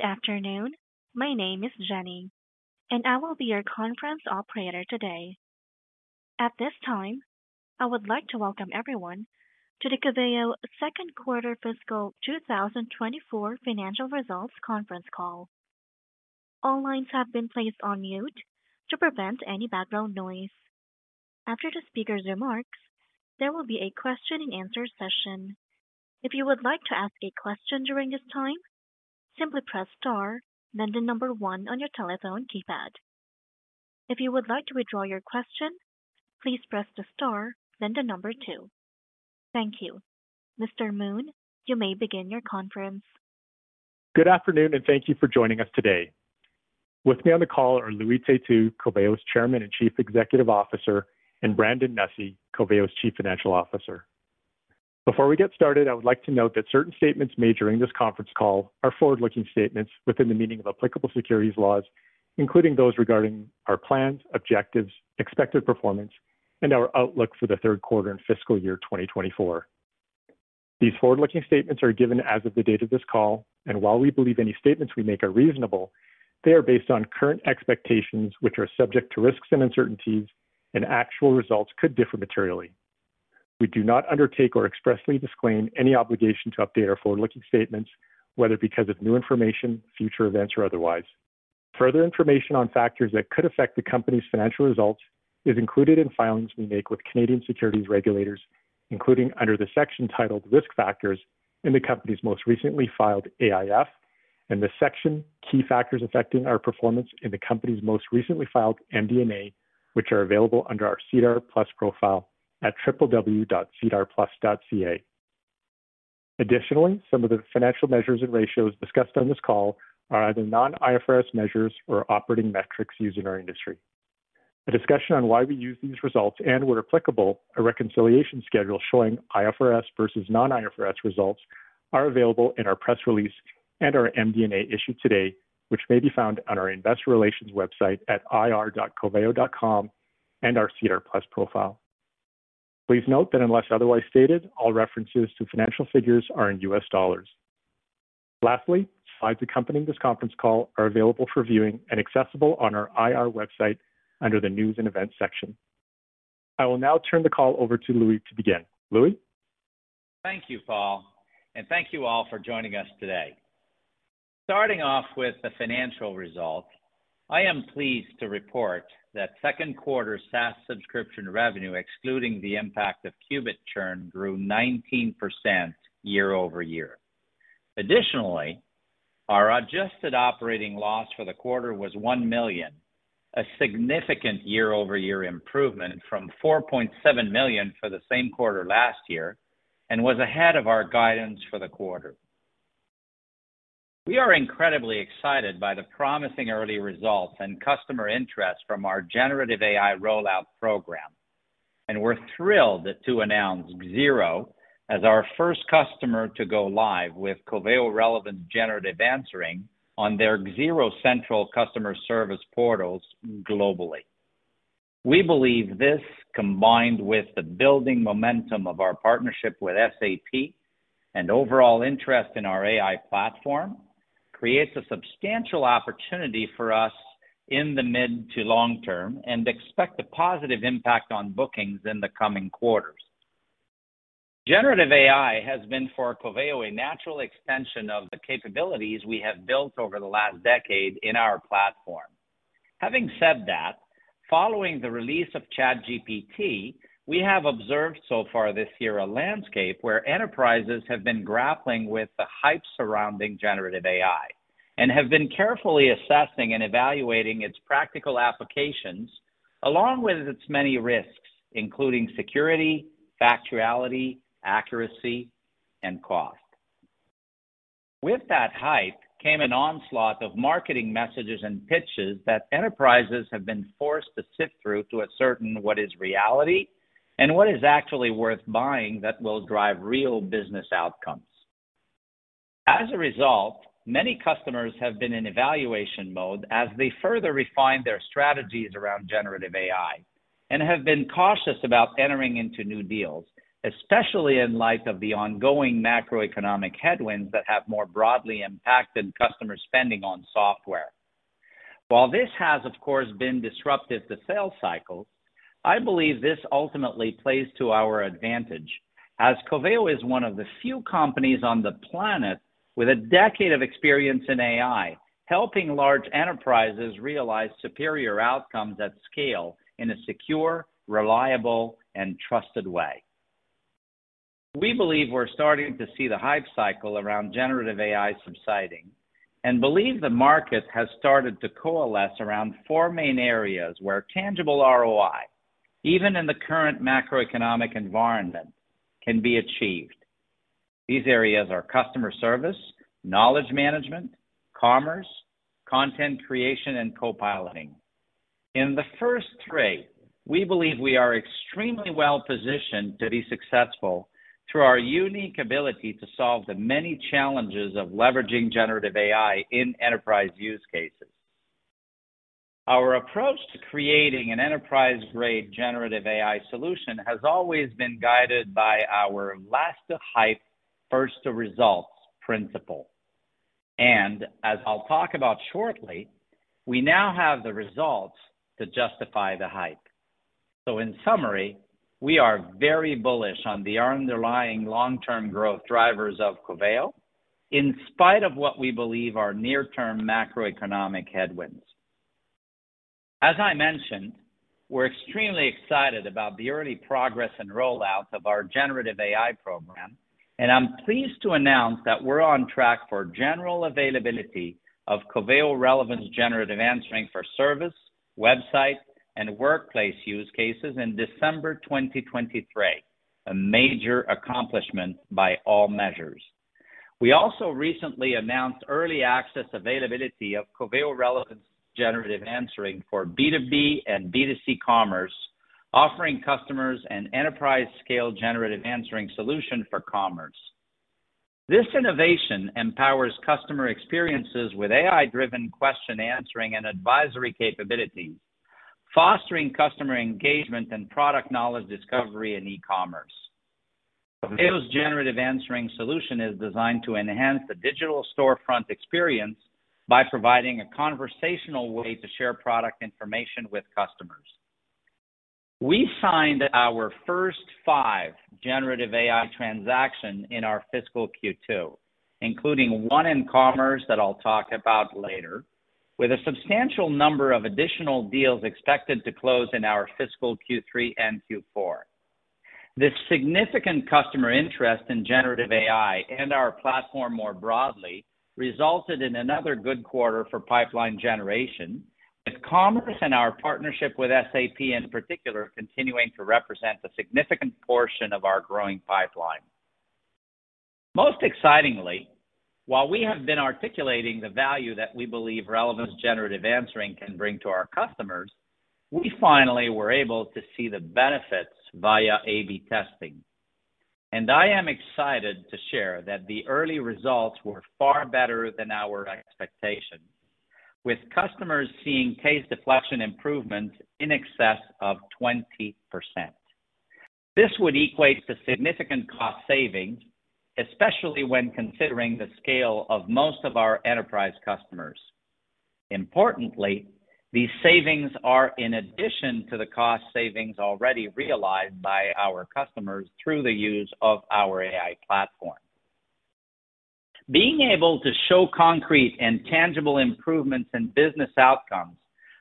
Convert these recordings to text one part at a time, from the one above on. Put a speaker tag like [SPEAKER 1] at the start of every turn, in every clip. [SPEAKER 1] Good afternoon. My name is Jenny, and I will be your conference operator today. At this time, I would like to welcome everyone to the Coveo Q2 fiscal 2024 financial results conference call. All lines have been placed on mute to prevent any background noise. After the speaker's remarks, there will be a question and answer session. If you would like to ask a question during this time, simply press Star, then the number one on your telephone keypad. If you would like to withdraw your question, please press the star, then the number two. Thank you. Mr. Moon, you may begin your conference.
[SPEAKER 2] Good afternoon, and thank you for joining us today. With me on the call are Louis Têtu, Coveo's Chairman and Chief Executive Officer, and Brandon Nussey, Coveo's Chief Financial Officer. Before we get started, I would like to note that certain statements made during this conference call are forward-looking statements within the meaning of applicable securities laws, including those regarding our plans, objectives, expected performance, and our outlook for the Q3 and fiscal year 2024. These forward-looking statements are given as of the date of this call, and while we believe any statements we make are reasonable, they are based on current expectations, which are subject to risks and uncertainties, and actual results could differ materially. We do not undertake or expressly disclaim any obligation to update our forward-looking statements, whether because of new information, future events, or otherwise. Further information on factors that could affect the company's financial results is included in filings we make with Canadian securities regulators, including under the section titled Risk Factors in the company's most recently filed AIF, and the section Key Factors Affecting Our Performance in the company's most recently filed MD&A, which are available under our SEDAR+ profile at www.sedarplus.ca. Additionally, some of the financial measures and ratios discussed on this call are either non-IFRS measures or operating metrics used in our industry. A discussion on why we use these results, and where applicable, a reconciliation schedule showing IFRS versus non-IFRS results, are available in our press release and our MD&A issued today, which may be found on our investor relations website at ir.coveo.com and our SEDAR+ profile. Please note that unless otherwise stated, all references to financial figures are in US dollars. Lastly, slides accompanying this conference call are available for viewing and accessible on our IR website under the News and Events section. I will now turn the call over to Louis to begin. Louis?
[SPEAKER 3] Thank you, Paul, and thank you all for joining us today. Starting off with the financial results, I am pleased to report that Q2 SaaS subscription revenue, excluding the impact of Qubit churn, grew 19% year-over-year. Additionally, our adjusted operating loss for the quarter was $1 million, a significant year-over-year improvement from $4.7 million for the same quarter last year, and was ahead of our guidance for the quarter. We are incredibly excited by the promising early results and customer interest from our generative AI rollout program, and we're thrilled to announce Xero as our first customer to go live with Coveo Relevance Generative Answering on their Xero Central customer service portals globally. We believe this, combined with the building momentum of our partnership with SAP and overall interest in our AI platform, creates a substantial opportunity for us in the mid to long term and expect a positive impact on bookings in the coming quarters. Generative AI has been, for Coveo, a natural extension of the capabilities we have built over the last decade in our platform. Having said that, following the release of ChatGPT, we have observed so far this year a landscape where enterprises have been grappling with the hype surrounding generative AI and have been carefully assessing and evaluating its practical applications, along with its many risks, including security, factuality, accuracy, and cost. With that hype came an onslaught of marketing messages and pitches that enterprises have been forced to sift through to ascertain what is reality and what is actually worth buying that will drive real business outcomes. As a result, many customers have been in evaluation mode as they further refine their strategies around generative AI and have been cautious about entering into new deals, especially in light of the ongoing macroeconomic headwinds that have more broadly impacted customer spending on software. While this has, of course, been disruptive to sales cycles, I believe this ultimately plays to our advantage, as Coveo is one of the few companies on the planet with a decade of experience in AI, helping large enterprises realize superior outcomes at scale in a secure, reliable, and trusted way. We believe we're starting to see the hype cycle around generative AI subsiding and believe the market has started to coalesce around four main areas where tangible ROI, even in the current macroeconomic environment, can be achieved. These areas are customer service, knowledge management, commerce, content creation, and co-piloting. In the first three, we believe we are extremely well positioned to be successful through our unique ability to solve the many challenges of leveraging generative AI in enterprise use cases. Our approach to creating an enterprise-grade generative AI solution has always been guided by our last to hype, first to results principle. And as I'll talk about shortly, we now have the results to justify the hype. So in summary, we are very bullish on the underlying long-term growth drivers of Coveo, in spite of what we believe are near-term macroeconomic headwinds. As I mentioned, we're extremely excited about the early progress and rollout of our generative AI program, and I'm pleased to announce that we're on track for general availability of Coveo Relevance Generative Answering for service, website, and workplace use cases in December 2023, a major accomplishment by all measures. We also recently announced early access availability of Coveo Relevance Generative Answering for B2B and B2C commerce, offering customers an enterprise-scale generative answering solution for commerce. This innovation empowers customer experiences with AI-driven question answering and advisory capabilities, fostering customer engagement and product knowledge discovery in e-commerce. Coveo's generative answering solution is designed to enhance the digital storefront experience by providing a conversational way to share product information with customers. We signed our first 5 generative AI transactions in our fiscal Q2, including one in commerce that I'll talk about later, with a substantial number of additional deals expected to close in our fiscal Q3 and Q4. This significant customer interest in generative AI and our platform more broadly, resulted in another good quarter for pipeline generation, with commerce and our partnership with SAP in particular, continuing to represent a significant portion of our growing pipeline. Most excitingly, while we have been articulating the value that we believe Relevance Generative Answering can bring to our customers, we finally were able to see the benefits via A/B testing. I am excited to share that the early results were far better than our expectations, with customers seeing case deflection improvements in excess of 20%. This would equate to significant cost savings, especially when considering the scale of most of our enterprise customers. Importantly, these savings are in addition to the cost savings already realized by our customers through the use of our AI platform. Being able to show concrete and tangible improvements in business outcomes,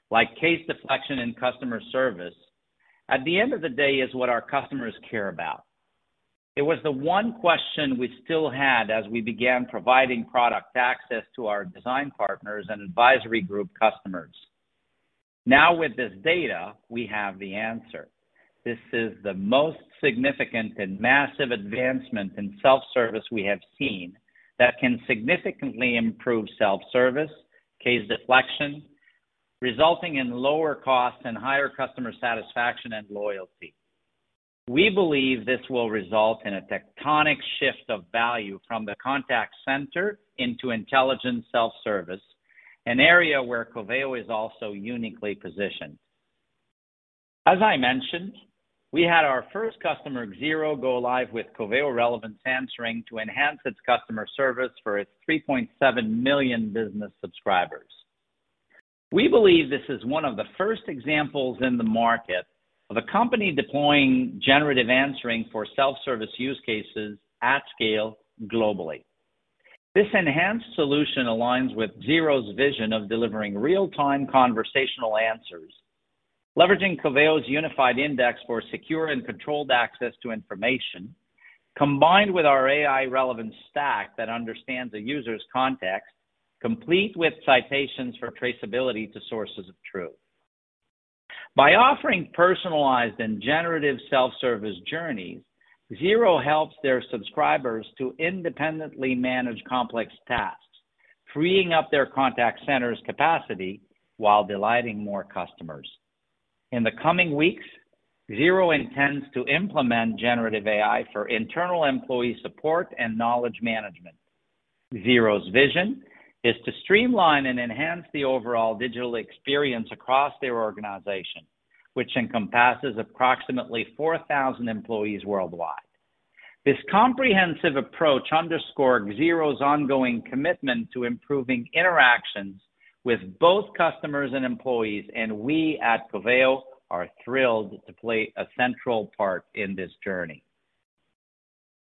[SPEAKER 3] like case deflection and customer service, at the end of the day, is what our customers care about. It was the one question we still had as we began providing product access to our design partners and advisory group customers. Now, with this data, we have the answer. This is the most significant and massive advancement in self-service we have seen that can significantly improve self-service, case deflection, resulting in lower costs and higher customer satisfaction and loyalty. We believe this will result in a tectonic shift of value from the contact center into intelligent self-service, an area where Coveo is also uniquely positioned. As I mentioned, we had our first customer, Xero, go live with Coveo Relevance Generative Answering to enhance its customer service for its 3.7 million business subscribers. We believe this is one of the first examples in the market of a company deploying generative answering for self-service use cases at scale globally. This enhanced solution aligns with Xero's vision of delivering real-time conversational answers, leveraging Coveo's unified index for secure and controlled access to information, combined with our AI relevance stack that understands a user's context, complete with citations for traceability to sources of truth. By offering personalized and generative self-service journeys, Xero helps their subscribers to independently manage complex tasks, freeing up their contact center's capacity while delighting more customers. In the coming weeks, Xero intends to implement generative AI for internal employee support and knowledge management. Xero's vision is to streamline and enhance the overall digital experience across their organization, which encompasses approximately 4,000 employees worldwide. This comprehensive approach underscores Xero's ongoing commitment to improving interactions with both customers and employees, and we at Coveo are thrilled to play a central part in this journey.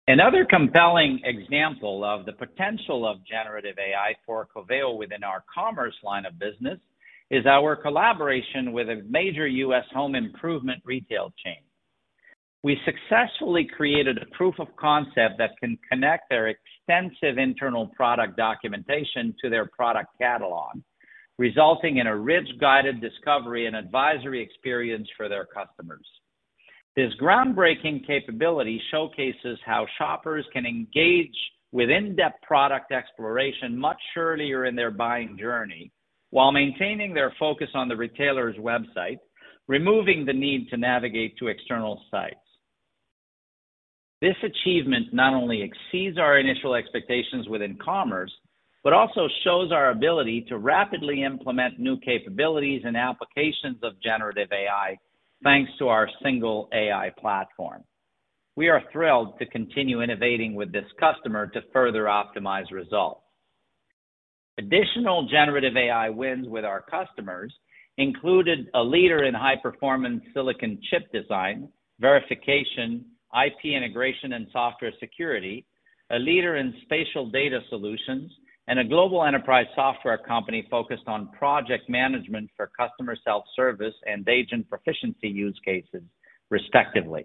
[SPEAKER 3] Another compelling example of the potential of generative AI for Coveo within our commerce line of business is our collaboration with a major U.S. home improvement retail chain. We successfully created a proof of concept that can connect their extensive internal product documentation to their product catalog, resulting in a rich, guided discovery and advisory experience for their customers. This groundbreaking capability showcases how shoppers can engage with in-depth product exploration much earlier in their buying journey while maintaining their focus on the retailer's website, removing the need to navigate to external sites.... This achievement not only exceeds our initial expectations within commerce, but also shows our ability to rapidly implement new capabilities and applications of generative AI, thanks to our single AI platform. We are thrilled to continue innovating with this customer to further optimize results. Additional generative AI wins with our customers included a leader in high-performance silicon chip design, verification, IP integration, and software security, a leader in spatial data solutions, and a global enterprise software company focused on project management for customer self-service and agent proficiency use cases, respectively.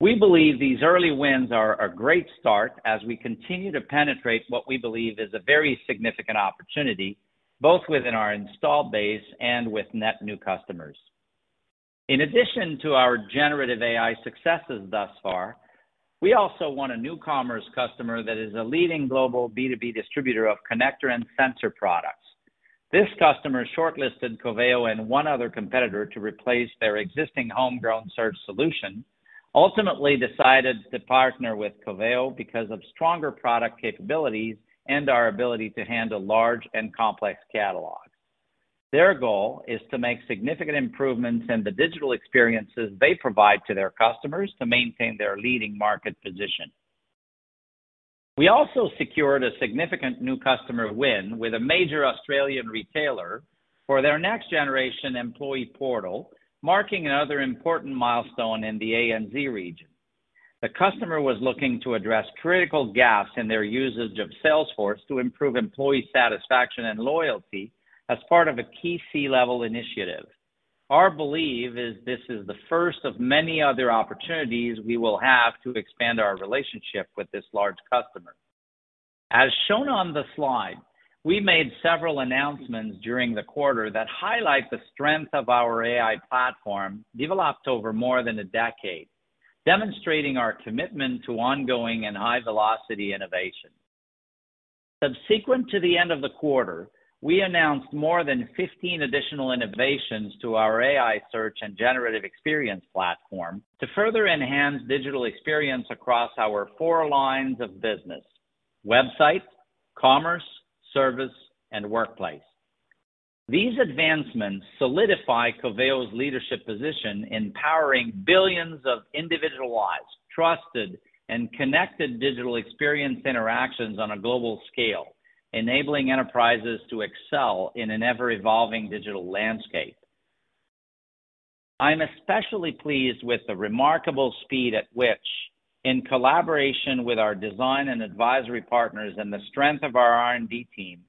[SPEAKER 3] We believe these early wins are a great start as we continue to penetrate what we believe is a very significant opportunity, both within our installed base and with net new customers. In addition to our generative AI successes thus far, we also won a new commerce customer that is a leading global B2B distributor of connector and sensor products. This customer shortlisted Coveo and one other competitor to replace their existing homegrown search solution, ultimately decided to partner with Coveo because of stronger product capabilities and our ability to handle large and complex catalogs. Their goal is to make significant improvements in the digital experiences they provide to their customers to maintain their leading market position. We also secured a significant new customer win with a major Australian retailer for their next-generation employee portal, marking another important milestone in the ANZ region. The customer was looking to address critical gaps in their usage of Salesforce to improve employee satisfaction and loyalty as part of a key C-level initiative. Our belief is this is the first of many other opportunities we will have to expand our relationship with this large customer. As shown on the slide, we made several announcements during the quarter that highlight the strength of our AI platform, developed over more than a decade, demonstrating our commitment to ongoing and high-velocity innovation. Subsequent to the end of the quarter, we announced more than 15 additional innovations to our AI search and generative experience platform to further enhance digital experience across our 4 lines of business: website, commerce, service, and workplace. These advancements solidify Coveo's leadership position in powering billions of individualized, trusted, and connected digital experience interactions on a global scale, enabling enterprises to excel in an ever-evolving digital landscape. I'm especially pleased with the remarkable speed at which, in collaboration with our design and advisory partners and the strength of our R&D team,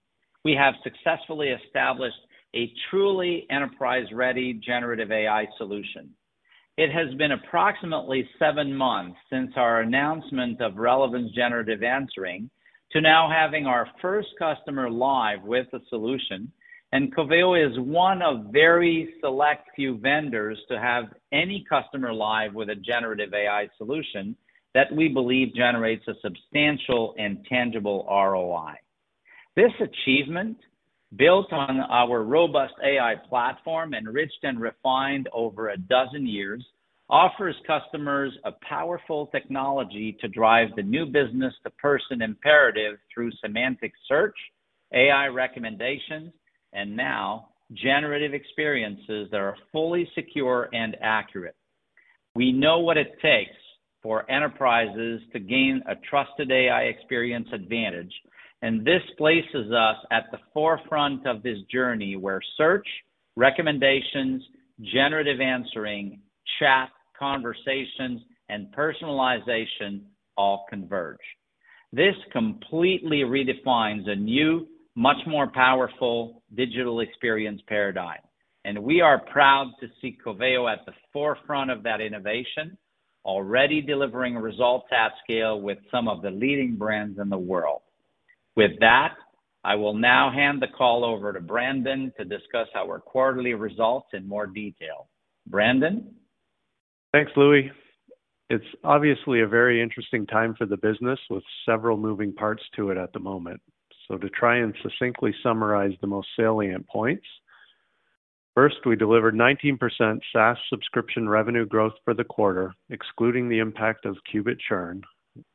[SPEAKER 3] we have successfully established a truly enterprise-ready generative AI solution. It has been approximately seven months since our announcement of Relevance Generative Answering, to now having our first customer live with the solution, and Coveo is one of very select few vendors to have any customer live with a generative AI solution that we believe generates a substantial and tangible ROI. This achievement, built on our robust AI platform, enriched and refined over a dozen years, offers customers a powerful technology to drive the new business-to-person imperative through semantic search, AI recommendations, and now generative experiences that are fully secure and accurate. We know what it takes for enterprises to gain a trusted AI experience advantage, and this places us at the forefront of this journey, where search, recommendations, generative answering, chat, conversations, and personalization all converge. This completely redefines a new, much more powerful digital experience paradigm, and we are proud to see Coveo at the forefront of that innovation, already delivering results at scale with some of the leading brands in the world. With that, I will now hand the call over to Brandon to discuss our quarterly results in more detail. Brandon?
[SPEAKER 4] Thanks, Louis. It's obviously a very interesting time for the business, with several moving parts to it at the moment. So to try and succinctly summarize the most salient points, first, we delivered 19% SaaS subscription revenue growth for the quarter, excluding the impact of Qubit churn,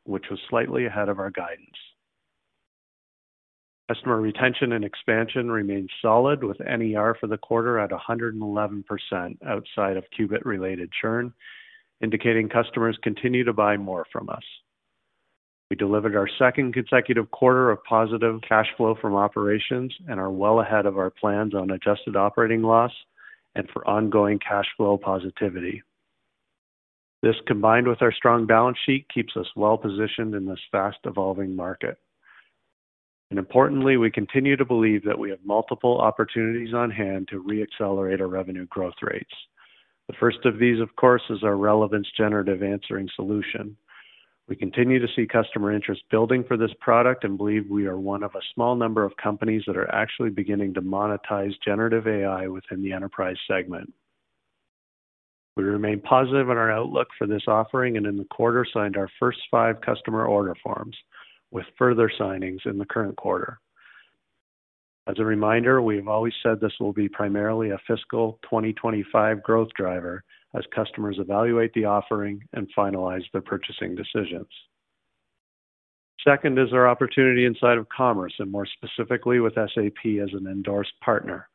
[SPEAKER 4] which was slightly ahead of our guidance. Customer retention and expansion remained solid, with NER for the quarter at 111% outside of Qubit-related churn, indicating customers continue to buy more from us. We delivered our second consecutive quarter of positive cash flow from operations and are well ahead of our plans on adjusted operating loss and for ongoing cash flow positivity. This, combined with our strong balance sheet, keeps us well-positioned in this fast-evolving market. And importantly, we continue to believe that we have multiple opportunities on hand to re-accelerate our revenue growth rates. The first of these, of course, is our Relevance Generative Answering solution. We continue to see customer interest building for this product and believe we are one of a small number of companies that are actually beginning to monetize generative AI within the enterprise segment. We remain positive in our outlook for this offering, and in the quarter, signed our first five customer order forms, with further signings in the current quarter. As a reminder, we've always said this will be primarily a fiscal 2025 growth driver as customers evaluate the offering and finalize their purchasing decisions. Second is our opportunity inside of commerce, and more specifically with SAP as an endorsed partner.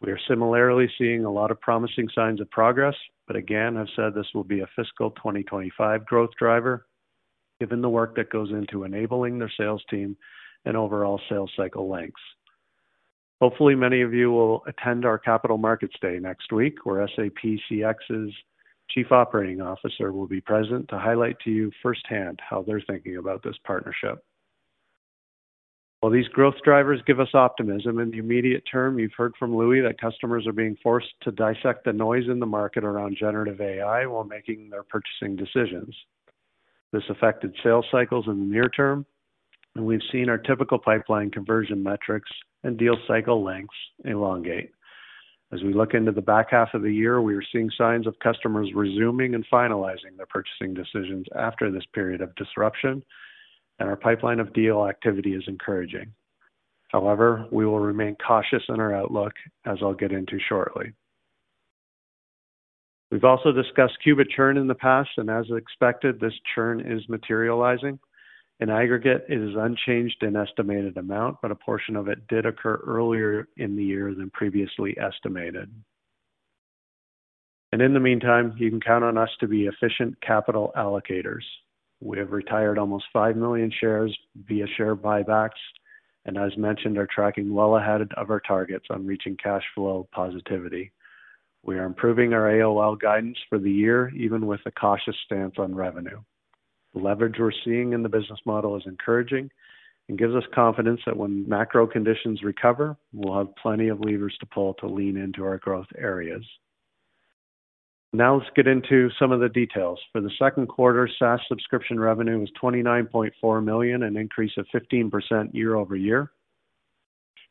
[SPEAKER 4] We are similarly seeing a lot of promising signs of progress, but again, I've said this will be a fiscal 2025 growth driver, given the work that goes into enabling their sales team and overall sales cycle lengths. Hopefully, many of you will attend our capital markets day next week, where SAP CX's Chief Operating Officer will be present to highlight to you firsthand how they're thinking about this partnership. While these growth drivers give us optimism, in the immediate term, you've heard from Louis that customers are being forced to dissect the noise in the market around generative AI while making their purchasing decisions. This affected sales cycles in the near term, and we've seen our typical pipeline conversion metrics and deal cycle lengths elongate. As we look into the back half of the year, we are seeing signs of customers resuming and finalizing their purchasing decisions after this period of disruption, and our pipeline of deal activity is encouraging. However, we will remain cautious in our outlook, as I'll get into shortly. We've also discussed Qubit churn in the past, and as expected, this churn is materializing. In aggregate, it is unchanged in estimated amount, but a portion of it did occur earlier in the year than previously estimated. And in the meantime, you can count on us to be efficient capital allocators. We have retired almost 5 million shares via share buybacks, and as mentioned, are tracking well ahead of our targets on reaching cash flow positivity. We are improving our AOL guidance for the year, even with a cautious stance on revenue. The leverage we're seeing in the business model is encouraging and gives us confidence that when macro conditions recover, we'll have plenty of levers to pull to lean into our growth areas. Now, let's get into some of the details. For the Q2, SaaS subscription revenue was $29.4 million, an increase of 15% year-over-year,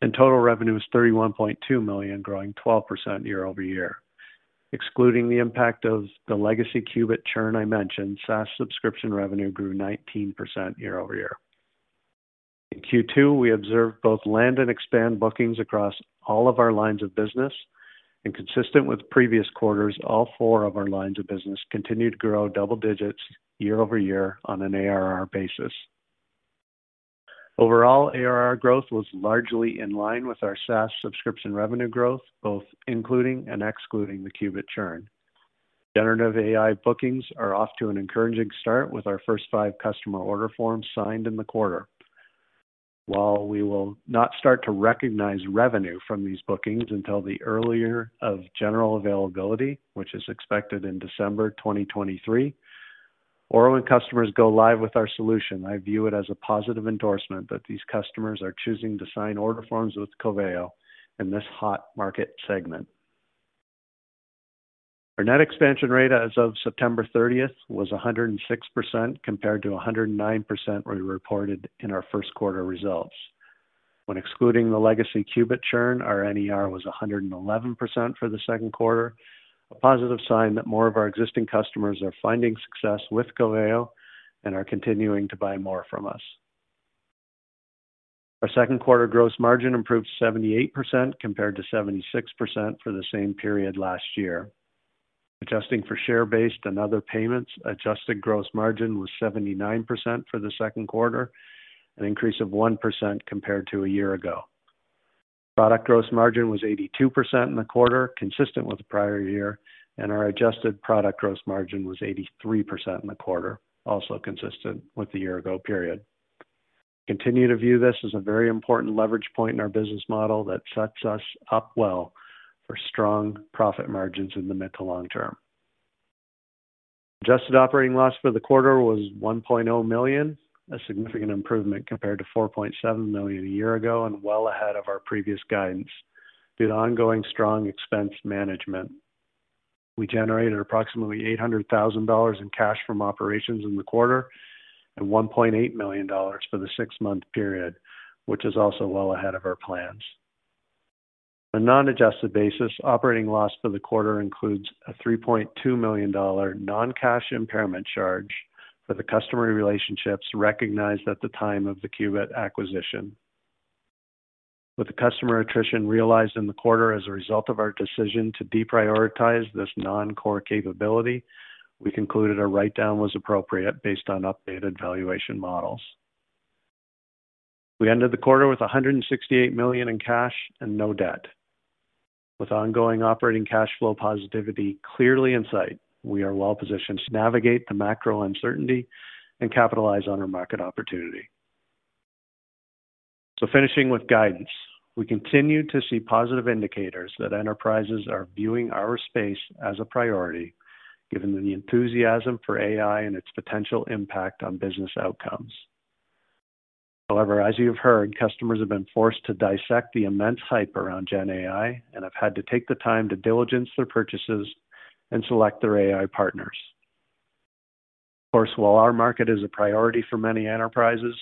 [SPEAKER 4] and total revenue was $31.2 million, growing 12% year-over-year. Excluding the impact of the legacy Qubit churn I mentioned, SaaS subscription revenue grew 19% year-over-year. In Q2, we observed both land and expand bookings across all of our lines of business, and consistent with previous quarters, all four of our lines of business continued to grow double digits year-over-year on an ARR basis. Overall, ARR growth was largely in line with our SaaS subscription revenue growth, both including and excluding the Qubit churn. Generative AI bookings are off to an encouraging start with our first 5 customer order forms signed in the quarter. While we will not start to recognize revenue from these bookings until the earlier of general availability, which is expected in December 2023, or when customers go live with our solution, I view it as a positive endorsement that these customers are choosing to sign order forms with Coveo in this hot market segment. Our net expansion rate as of September thirtieth was 106%, compared to 109% we reported in our Q1 results. When excluding the legacy Qubit churn, our NER was 111% for the Q2, a positive sign that more of our existing customers are finding success with Coveo and are continuing to buy more from us. Our Q2 gross margin improved 78%, compared to 76% for the same period last year. Adjusting for share-based and other payments, adjusted gross margin was 79% for the Q2, an increase of 1% compared to a year ago. Product gross margin was 82% in the quarter, consistent with the prior year, and our adjusted product gross margin was 83% in the quarter, also consistent with the year ago period. Continue to view this as a very important leverage point in our business model that sets us up well for strong profit margins in the mid to long term. Adjusted operating loss for the quarter was $1.0 million, a significant improvement compared to $4.7 million a year ago and well ahead of our previous guidance due to ongoing strong expense management. We generated approximately $800,000 in cash from operations in the quarter and $1.8 million for the six-month period, which is also well ahead of our plans. The non-adjusted basis operating loss for the quarter includes a $3.2 million non-cash impairment charge for the customer relationships recognized at the time of the Qubit acquisition. With the customer attrition realized in the quarter as a result of our decision to deprioritize this non-core capability, we concluded a write-down was appropriate based on updated valuation models. We ended the quarter with $168 million in cash and no debt. With ongoing operating cash flow positivity clearly in sight, we are well positioned to navigate the macro uncertainty and capitalize on our market opportunity. So finishing with guidance, we continue to see positive indicators that enterprises are viewing our space as a priority, given the enthusiasm for AI and its potential impact on business outcomes. However, as you've heard, customers have been forced to dissect the immense hype around Gen AI and have had to take the time to diligence their purchases and select their AI partners. Of course, while our market is a priority for many enterprises,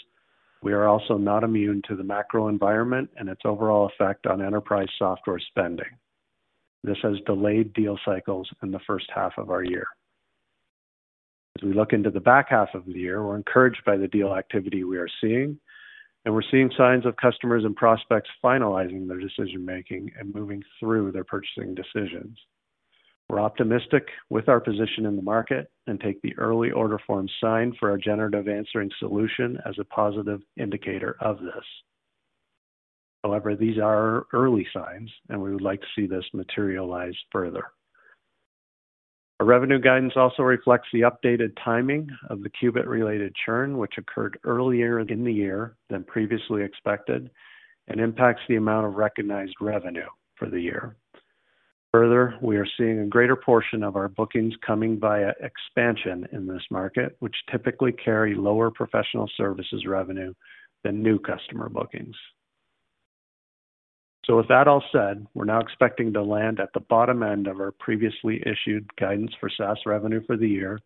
[SPEAKER 4] we are also not immune to the macro environment and its overall effect on enterprise software spending. This has delayed deal cycles in the first half of our year. As we look into the back half of the year, we're encouraged by the deal activity we are seeing, and we're seeing signs of customers and prospects finalizing their decision-making and moving through their purchasing decisions. We're optimistic with our position in the market and take the early order form sign for our generative answering solution as a positive indicator of this. However, these are early signs, and we would like to see this materialize further. Our revenue guidance also reflects the updated timing of the Qubit-related churn, which occurred earlier in the year than previously expected and impacts the amount of recognized revenue for the year. Further, we are seeing a greater portion of our bookings coming via expansion in this market, which typically carry lower professional services revenue than new customer bookings. So with that all said, we're now expecting to land at the bottom end of our previously issued guidance for SaaS revenue for the year,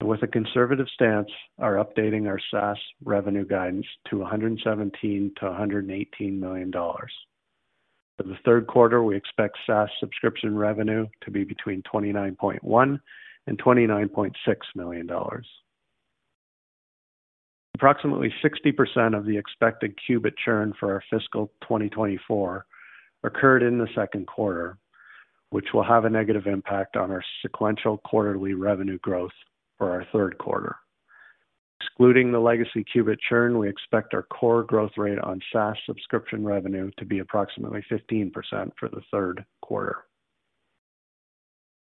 [SPEAKER 4] and with a conservative stance, are updating our SaaS revenue guidance to $117 million-$118 million. For the Q3, we expect SaaS subscription revenue to be between $29.1 million and $29.6 million. Approximately 60% of the expected Qubit churn for our fiscal 2024 occurred in the Q2, which will have a negative impact on our sequential quarterly revenue growth for our Q3. Excluding the legacy Qubit churn, we expect our core growth rate on SaaS subscription revenue to be approximately 15% for the Q3.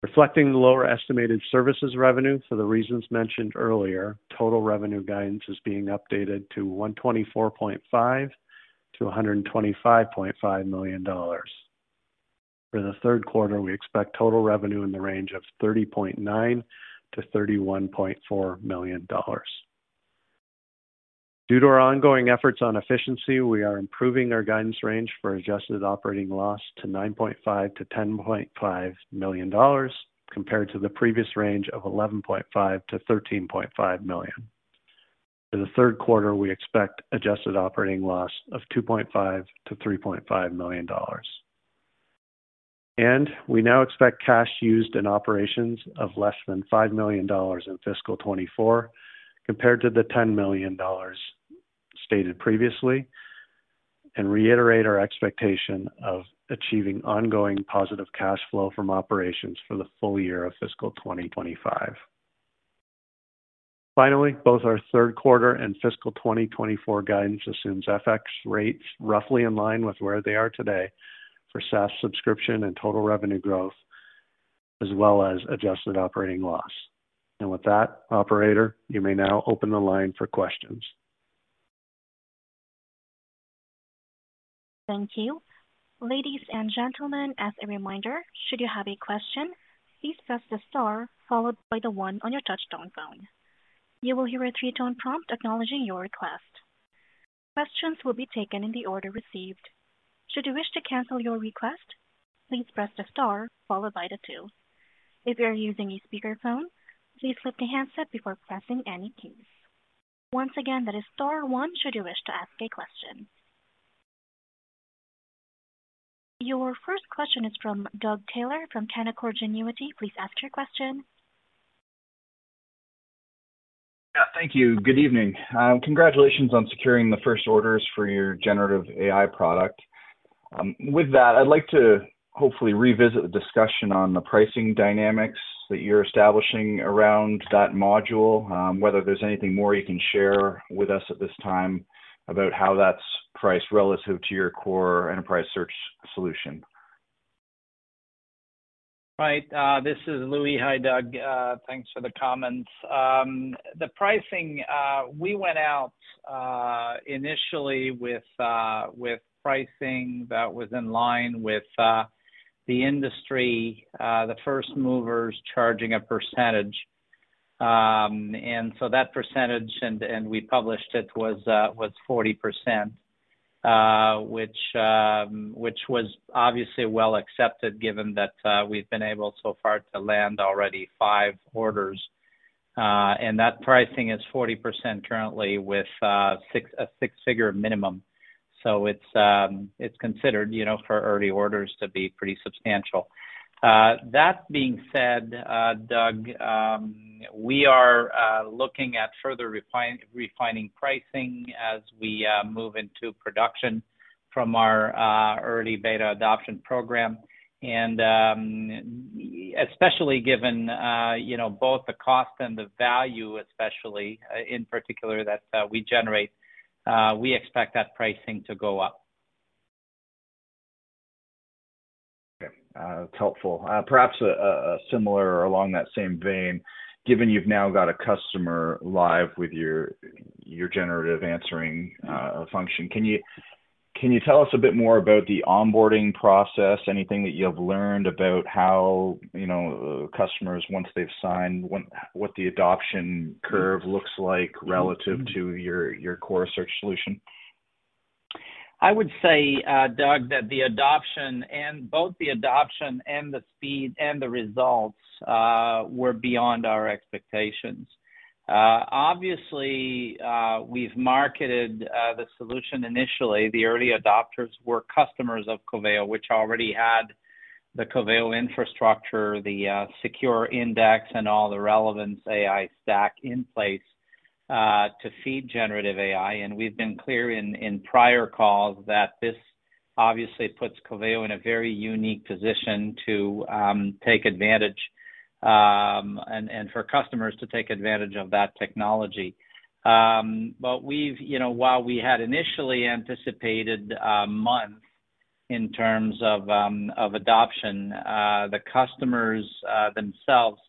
[SPEAKER 4] Reflecting the lower estimated services revenue for the reasons mentioned earlier, total revenue guidance is being updated to $124.5 million-$125.5 million. For the Q3, we expect total revenue in the range of $30.9 million-$31.4 million. Due to our ongoing efforts on efficiency, we are improving our guidance range for adjusted operating loss to $9.5 million-$10.5 million, compared to the previous range of $11.5 million-$13.5 million. For the Q3, we expect adjusted operating loss of $2.5 million-$3.5 million. We now expect cash used in operations of less than $5 million in fiscal 2024, compared to the $10 million stated previously, and reiterate our expectation of achieving ongoing positive cash flow from operations for the full year of fiscal 2025. Finally, both our Q3 and fiscal 2024 guidance assumes FX rates roughly in line with where they are today for SaaS subscription and total revenue growth, as well as adjusted operating loss. With that, operator, you may now open the line for questions.
[SPEAKER 1] Thank you. Ladies and gentlemen, as a reminder, should you have a question, please press the star followed by the one on your touchtone phone. You will hear a three-tone prompt acknowledging your request. Questions will be taken in the order received. Should you wish to cancel your request, please press the star followed by the two. If you are using a speakerphone, please flip the handset before pressing any keys. Once again, that is star one should you wish to ask a question. Your first question is from Doug Taylor from Canaccord Genuity. Please ask your question.
[SPEAKER 5] Yeah, thank you. Good evening. Congratulations on securing the first orders for your generative AI product. With that, I'd like to hopefully revisit the discussion on the pricing dynamics that you're establishing around that module, whether there's anything more you can share with us at this time about how that's priced relative to your core enterprise search solution.
[SPEAKER 3] Right. This is Louis. Hi, Doug. Thanks for the comments. The pricing, we went out initially with pricing that was in line with the industry, the first movers charging a percentage. And so that percentage, and we published it, was 40%, which was obviously well accepted, given that we've been able so far to land already 5 orders. And that pricing is 40% currently with a 6-figure minimum. So it's considered, you know, for early orders to be pretty substantial. That being said, Doug, we are looking at further refining pricing as we move into production from our early beta adoption program. Especially given, you know, both the cost and the value, especially in particular that we generate, we expect that pricing to go up.
[SPEAKER 5] Okay, that's helpful. Perhaps, similar or along that same vein, given you've now got a customer live with your Generative Answering function, can you tell us a bit more about the onboarding process? Anything that you have learned about how, you know, customers, once they've signed, what the adoption curve looks like relative to your core search solution?
[SPEAKER 3] I would say, Doug, that the adoption and both the adoption and the speed and the results were beyond our expectations. Obviously, we've marketed the solution initially. The early adopters were customers of Coveo, which already had the Coveo infrastructure, the secure index, and all the relevance AI stack in place to feed generative AI. And we've been clear in prior calls that this obviously puts Coveo in a very unique position to take advantage and for customers to take advantage of that technology. But we've, you know, while we had initially anticipated months in terms of of adoption, the customers themselves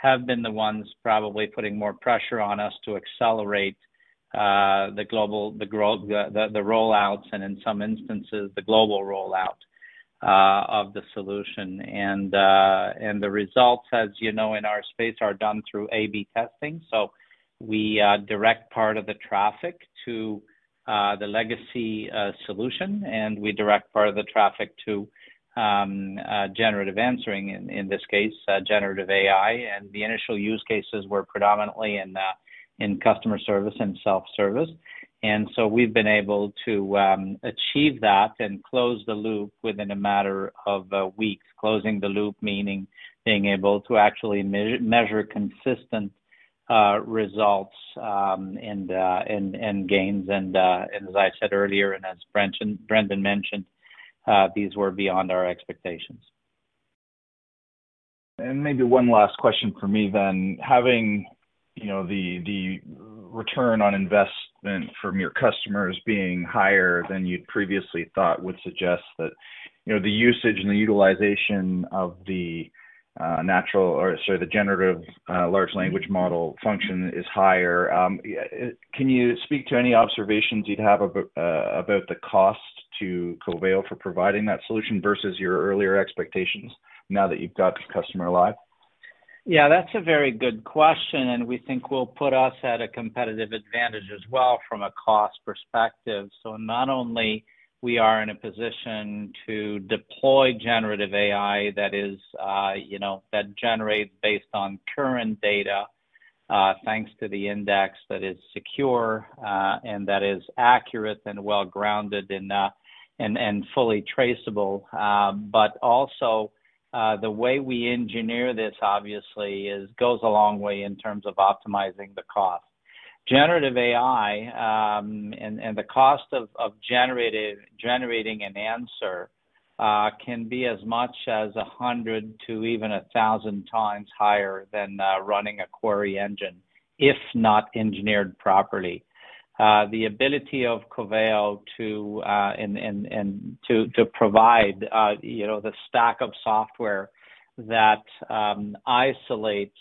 [SPEAKER 3] have been the ones probably putting more pressure on us to accelerate the rollouts, and in some instances, the global rollout of the solution. And the results, as you know, in our space, are done through AB testing. So we direct part of the traffic to the legacy solution, and we direct part of the traffic to generative answering, in this case, generative AI. The initial use cases were predominantly in customer service and self-service. So we've been able to achieve that and close the loop within a matter of weeks. Closing the loop, meaning being able to actually measure consistent results, and gains. And as I said earlier, and as Brandon mentioned, these were beyond our expectations.
[SPEAKER 5] Maybe one last question for me then. Having, you know, the return on investment from your customers being higher than you'd previously thought, would suggest that, you know, the usage and the utilization of the generative large language model function is higher. Yeah, can you speak to any observations you'd have about the cost to Coveo for providing that solution versus your earlier expectations now that you've got the customer live?
[SPEAKER 3] Yeah, that's a very good question, and we think will put us at a competitive advantage as well from a cost perspective. So not only we are in a position to deploy generative AI, that is, you know, that generates based on current data, thanks to the index that is secure, and that is accurate and well-grounded and fully traceable. But also, the way we engineer this obviously is goes a long way in terms of optimizing the cost. Generative AI, and the cost of generating an answer can be as much as 100 to even 1,000 times higher than running a query engine, if not engineered properly. The ability of Coveo to provide, you know, the stack of software that isolates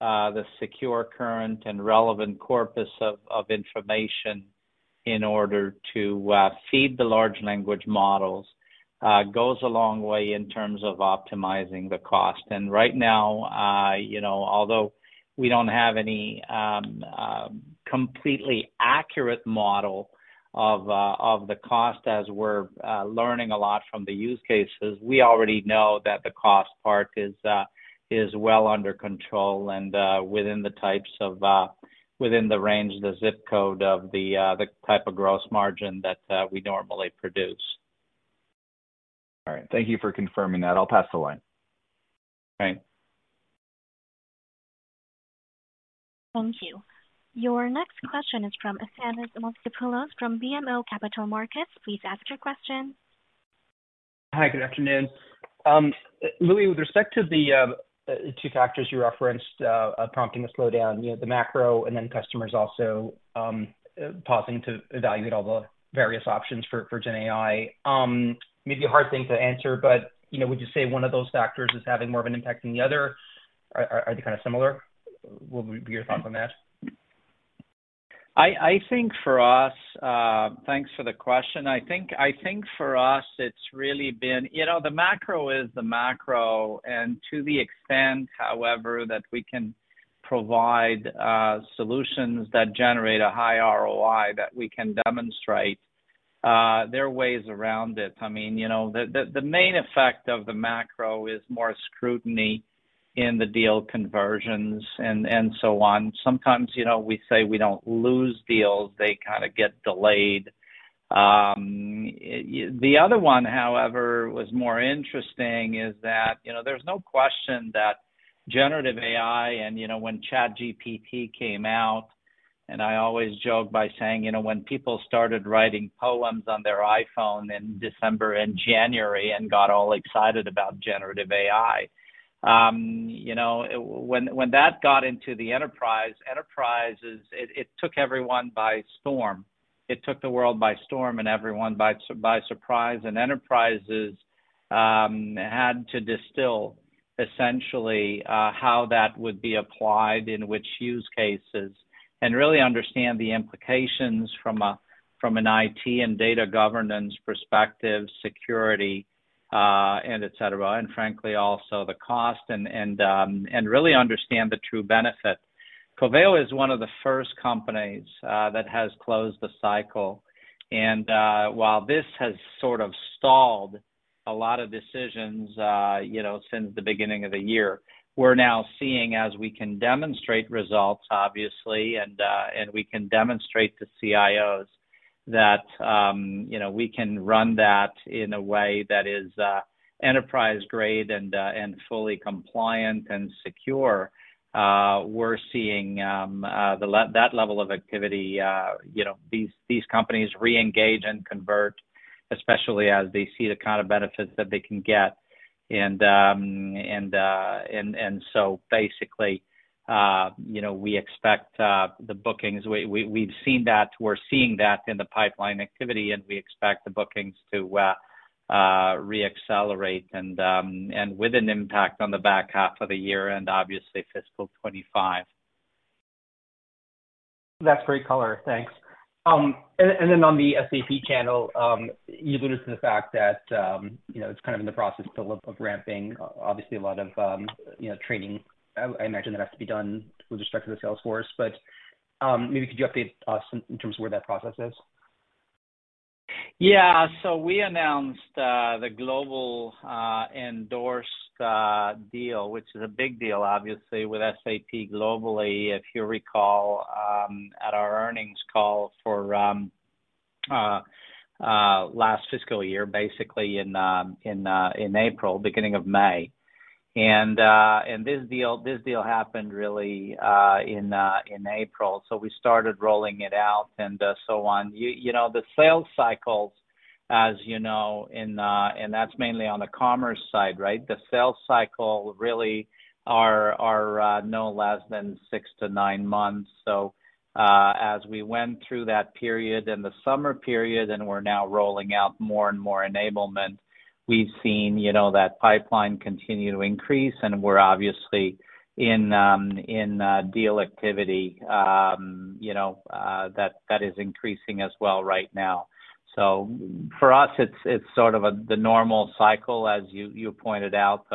[SPEAKER 3] the secure, current and relevant corpus of information in order to feed the large language models goes a long way in terms of optimizing the cost. And right now, you know, although we don't have any completely accurate model of the cost as we're learning a lot from the use cases, we already know that the cost part is well under control and within the range, the zip code of the type of gross margin that we normally produce.
[SPEAKER 5] All right. Thank you for confirming that. I'll pass the line.
[SPEAKER 3] Okay.
[SPEAKER 1] Thank you. Your next question is from Thanos Moschopoulos from BMO Capital Markets. Please ask your question.
[SPEAKER 6] Hi, good afternoon. Louis, with respect to the two factors you referenced prompting a slowdown, you know, the macro, and then customers also pausing to evaluate all the various options for gen AI. May be a hard thing to answer, but, you know, would you say one of those factors is having more of an impact than the other? Are they kind of similar? What would be your thoughts on that?
[SPEAKER 3] I think for us, thanks for the question. I think for us it's really been... You know, the macro is the macro, and to the extent, however, that we can provide solutions that generate a high ROI, that we can demonstrate, there are ways around it. I mean, you know, the main effect of the macro is more scrutiny in the deal conversions and so on. Sometimes, you know, we say we don't lose deals, they kind of get delayed. The other one, however, was more interesting, is that, you know, there's no question that generative AI and, you know, when ChatGPT came out, and I always joke by saying, you know, when people started writing poems on their iPhone in December and January and got all excited about generative AI. You know, when that got into the enterprise, enterprises, it took everyone by storm. It took the world by storm and everyone by surprise, and enterprises had to distill essentially how that would be applied in which use cases, and really understand the implications from an IT and data governance perspective, security, and etc. Frankly, also the cost and really understand the true benefit. Coveo is one of the first companies that has closed the cycle, and while this has sort of stalled a lot of decisions, you know, since the beginning of the year. We're now seeing as we can demonstrate results, obviously, and we can demonstrate to CIOs that, you know, we can run that in a way that is enterprise-grade and fully compliant and secure, we're seeing that level of activity, you know, these companies reengage and convert, especially as they see the kind of benefits that they can get. And so basically, you know, we expect the bookings. We've seen that. We're seeing that in the pipeline activity, and we expect the bookings to reaccelerate and with an impact on the back half of the year and obviously fiscal 2025.
[SPEAKER 6] That's great color. Thanks. And then on the SAP channel, you alluded to the fact that, you know, it's kind of in the process of ramping. Obviously, a lot of, you know, training, I imagine that has to be done with respect to the sales force. But maybe could you update us in terms of where that process is?
[SPEAKER 3] Yeah. So we announced the global endorsed deal, which is a big deal, obviously, with SAP globally, if you recall, at our earnings call for last fiscal year, basically in April, beginning of May. And this deal, this deal happened really in April, so we started rolling it out and so on. You know, the sales cycles, as you know, and that's mainly on the commerce side, right? The sales cycle really are no less than six-to-nine months. So, as we went through that period in the summer period, and we're now rolling out more and more enablement, we've seen, you know, that pipeline continue to increase, and we're obviously in deal activity, you know, that is increasing as well right now. So for us, it's sort of a the normal cycle, as you pointed out,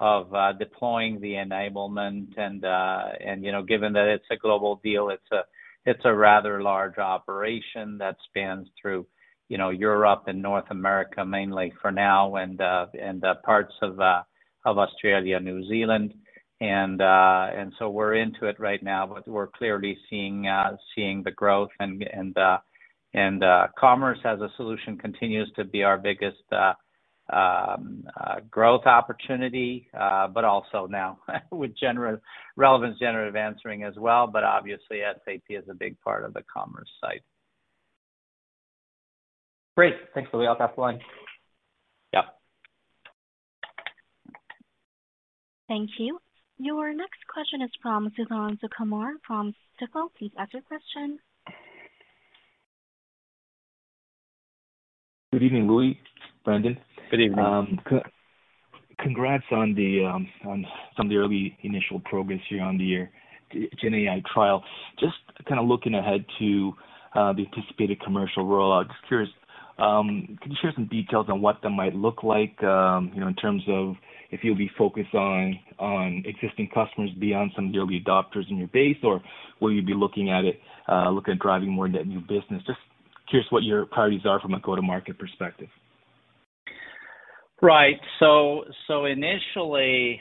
[SPEAKER 3] of deploying the enablement and, you know, given that it's a global deal, it's a rather large operation that spans through, you know, Europe and North America, mainly for now, and parts of Australia, New Zealand. So we're into it right now, but we're clearly seeing the growth and commerce as a solution continues to be our biggest growth opportunity, but also now with Relevance Generative Answering as well. But obviously, SAP is a big part of the commerce site.
[SPEAKER 6] Great. Thanks, Louie. I'll pass the line.
[SPEAKER 3] Yep.
[SPEAKER 1] Thank you. Your next question is from Suthan Sukumar from Stifel. Please ask your question.
[SPEAKER 7] Good evening, Louis, Brandon.
[SPEAKER 3] Good evening.
[SPEAKER 7] Congrats on some of the early initial progress here on the year, Gen AI trial. Just kind of looking ahead to the anticipated commercial rollout, just curious, can you share some details on what that might look like, you know, in terms of if you'll be focused on existing customers beyond some of the early adopters in your base, or will you be looking at driving more net new business? Just curious what your priorities are from a go-to-market perspective.
[SPEAKER 3] Right. So initially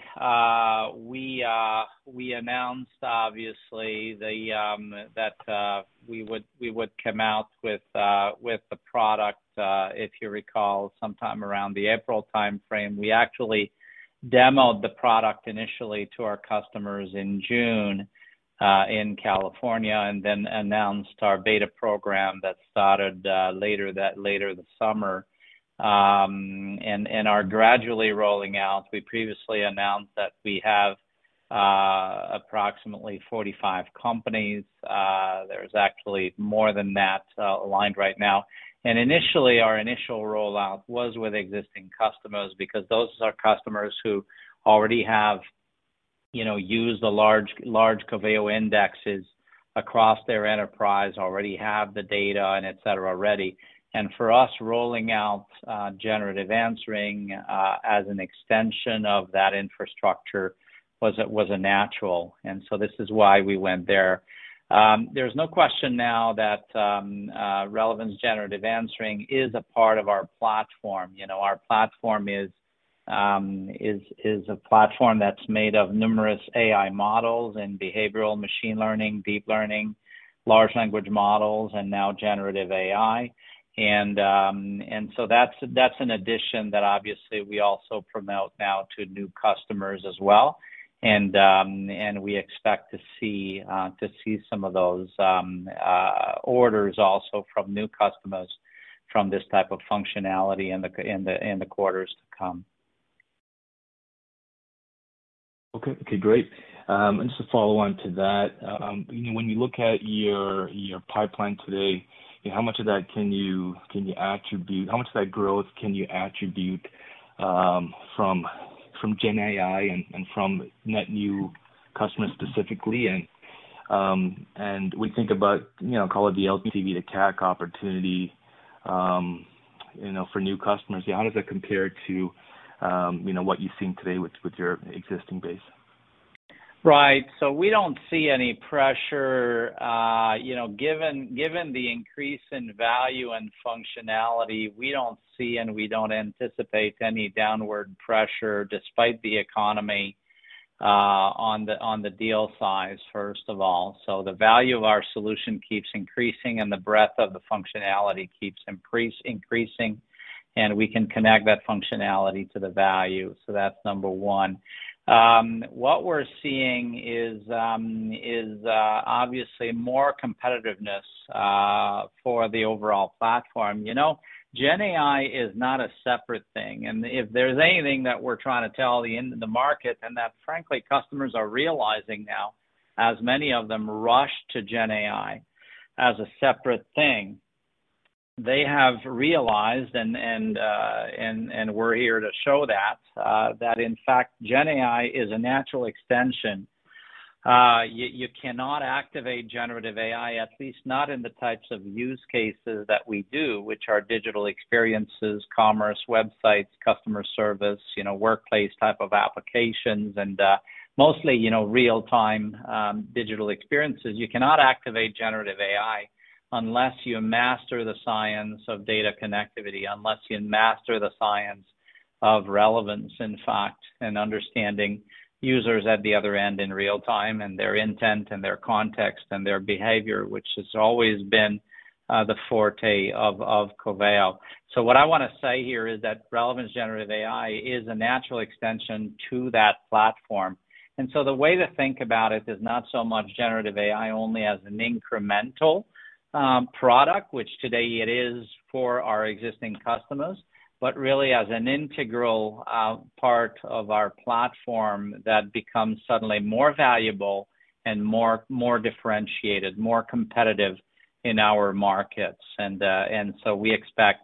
[SPEAKER 3] we announced, obviously, that we would come out with the product, if you recall, sometime around the April timeframe. We actually demoed the product initially to our customers in June in California, and then announced our beta program that started later that summer, and are gradually rolling out. We previously announced that we have approximately 45 companies. There's actually more than that aligned right now. And initially, our initial rollout was with existing customers because those are customers who already have, you know, used the large Coveo indexes across their enterprise, already have the data and et cetera already. And for us, rolling out generative answering as an extension of that infrastructure was a natural, and so this is why we went there. There's no question now that Relevance Generative Answering is a part of our platform. You know, our platform is a platform that's made of numerous AI models and behavioral machine learning, deep learning, large language models, and now generative AI. And so that's an addition that obviously we also promote now to new customers as well. And we expect to see some of those orders also from new customers from this type of functionality in the quarters to come.
[SPEAKER 7] Okay. Okay, great. And just to follow on to that, you know, when you look at your pipeline today, how much of that growth can you attribute from Gen AI and from net new customers specifically? And we think about, you know, call it the LTV, the CAC opportunity, you know, for new customers. How does that compare to, you know, what you've seen today with your existing base?
[SPEAKER 3] ...Right. So we don't see any pressure, you know, given the increase in value and functionality, we don't see, and we don't anticipate any downward pressure despite the economy on the deal size, first of all. So the value of our solution keeps increasing and the breadth of the functionality keeps increasing, and we can connect that functionality to the value. So that's number one. What we're seeing is obviously more competitiveness for the overall platform. You know, Gen AI is not a separate thing, and if there's anything that we're trying to tell the market, and that frankly, customers are realizing now, as many of them rush to Gen AI as a separate thing, they have realized, and we're here to show that, that in fact, Gen AI is a natural extension. You cannot activate generative AI, at least not in the types of use cases that we do, which are digital experiences, commerce, websites, customer service, you know, workplace type of applications, and mostly, you know, real-time digital experiences. You cannot activate generative AI, unless you master the science of data connectivity, unless you master the science of relevance, in fact, and understanding users at the other end in real time, and their intent, and their context, and their behavior, which has always been the forte of Coveo. So what I want to say here is that relevance generative AI is a natural extension to that platform. And so the way to think about it is not so much generative AI only as an incremental product, which today it is for our existing customers, but really as an integral part of our platform that becomes suddenly more valuable and more, more differentiated, more competitive in our markets. And so we expect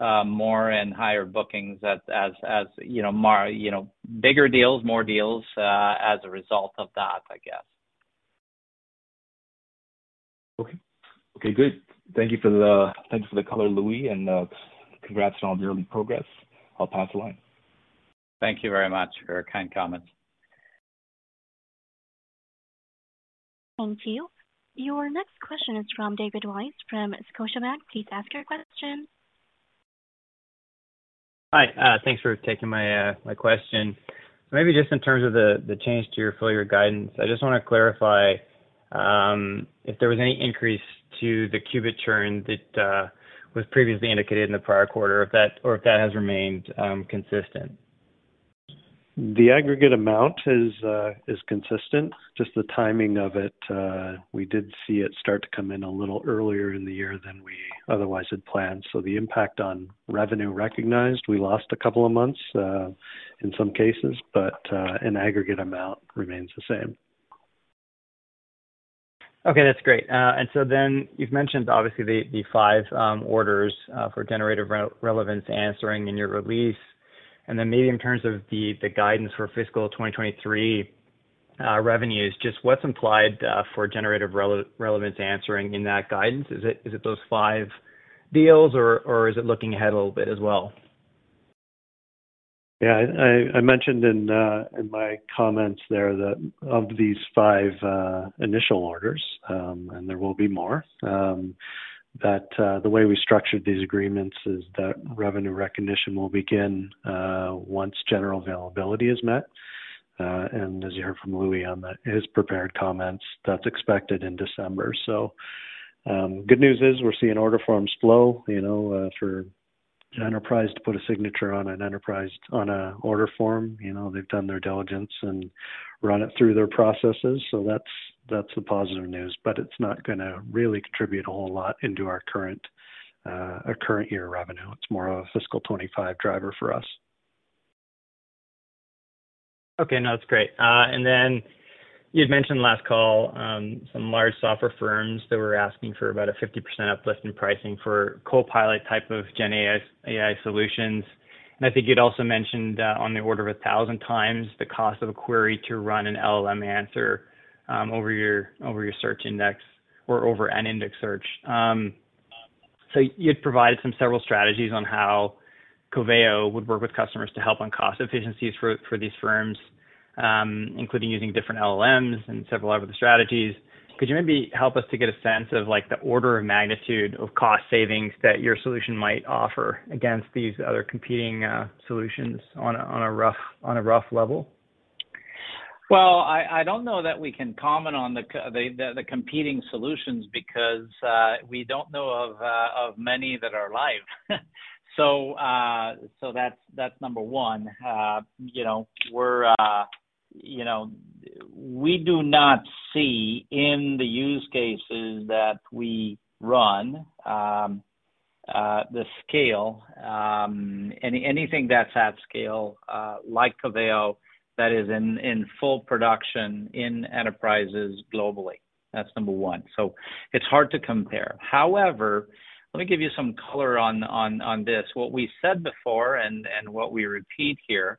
[SPEAKER 3] more and higher bookings as you know, you know, bigger deals, more deals, as a result of that, I guess.
[SPEAKER 7] Okay. Okay, good. Thank you, thanks for the color, Louis, and congrats on all the early progress. I'll pass the line.
[SPEAKER 3] Thank you very much for your kind comments.
[SPEAKER 1] Thank you. Your next question is from Kevin Krishnaratne, from Scotiabank. Please ask your question.
[SPEAKER 8] Hi, thanks for taking my question. Maybe just in terms of the change to your full year guidance, I just want to clarify if there was any increase to the Qubit churn that was previously indicated in the prior quarter, if that has remained consistent?
[SPEAKER 4] The aggregate amount is consistent, just the timing of it. We did see it start to come in a little earlier in the year than we otherwise had planned. So the impact on revenue recognized, we lost a couple of months in some cases, but an aggregate amount remains the same.
[SPEAKER 8] Okay, that's great. And so then you've mentioned obviously the five orders for Relevance Generative Answering in your release. And then maybe in terms of the guidance for fiscal 2023 revenues, just what's implied for Relevance Generative Answering in that guidance? Is it those five deals or is it looking ahead a little bit as well?
[SPEAKER 4] Yeah, I mentioned in, in my comments there that of these five initial orders, and there will be more, that the way we structured these agreements is that revenue recognition will begin once general availability is met. And as you heard from Louis, his prepared comments, that's expected in December. So, good news is we're seeing order forms flow, you know, for enterprise to put a signature on an order form. You know, they've done their diligence and run it through their processes. So that's the positive news, but it's not gonna really contribute a whole lot into our current, our current year revenue. It's more of a fiscal 25 driver for us.
[SPEAKER 8] Okay, no, that's great. And then you'd mentioned last call, some large software firms that were asking for about a 50% uplift in pricing for copilot type of GenAI, AI solutions. And I think you'd also mentioned, on the order of a 1,000 times the cost of a query to run an LLM answer, over your search index or over an index search. So you'd provided some several strategies on how Coveo would work with customers to help on cost efficiencies for these firms, including using different LLMs and several other strategies. Could you maybe help us to get a sense of like, the order of magnitude of cost savings that your solution might offer against these other competing solutions on a rough level?
[SPEAKER 3] Well, I don't know that we can comment on the competing solutions, because we don't know of many that are live. So that's number one. You know, we do not see in the use cases that we run the scale, anything that's at scale like Coveo that is in full production in enterprises globally. That's number one. So it's hard to compare. However, let me give you some color on this. What we said before and what we repeat here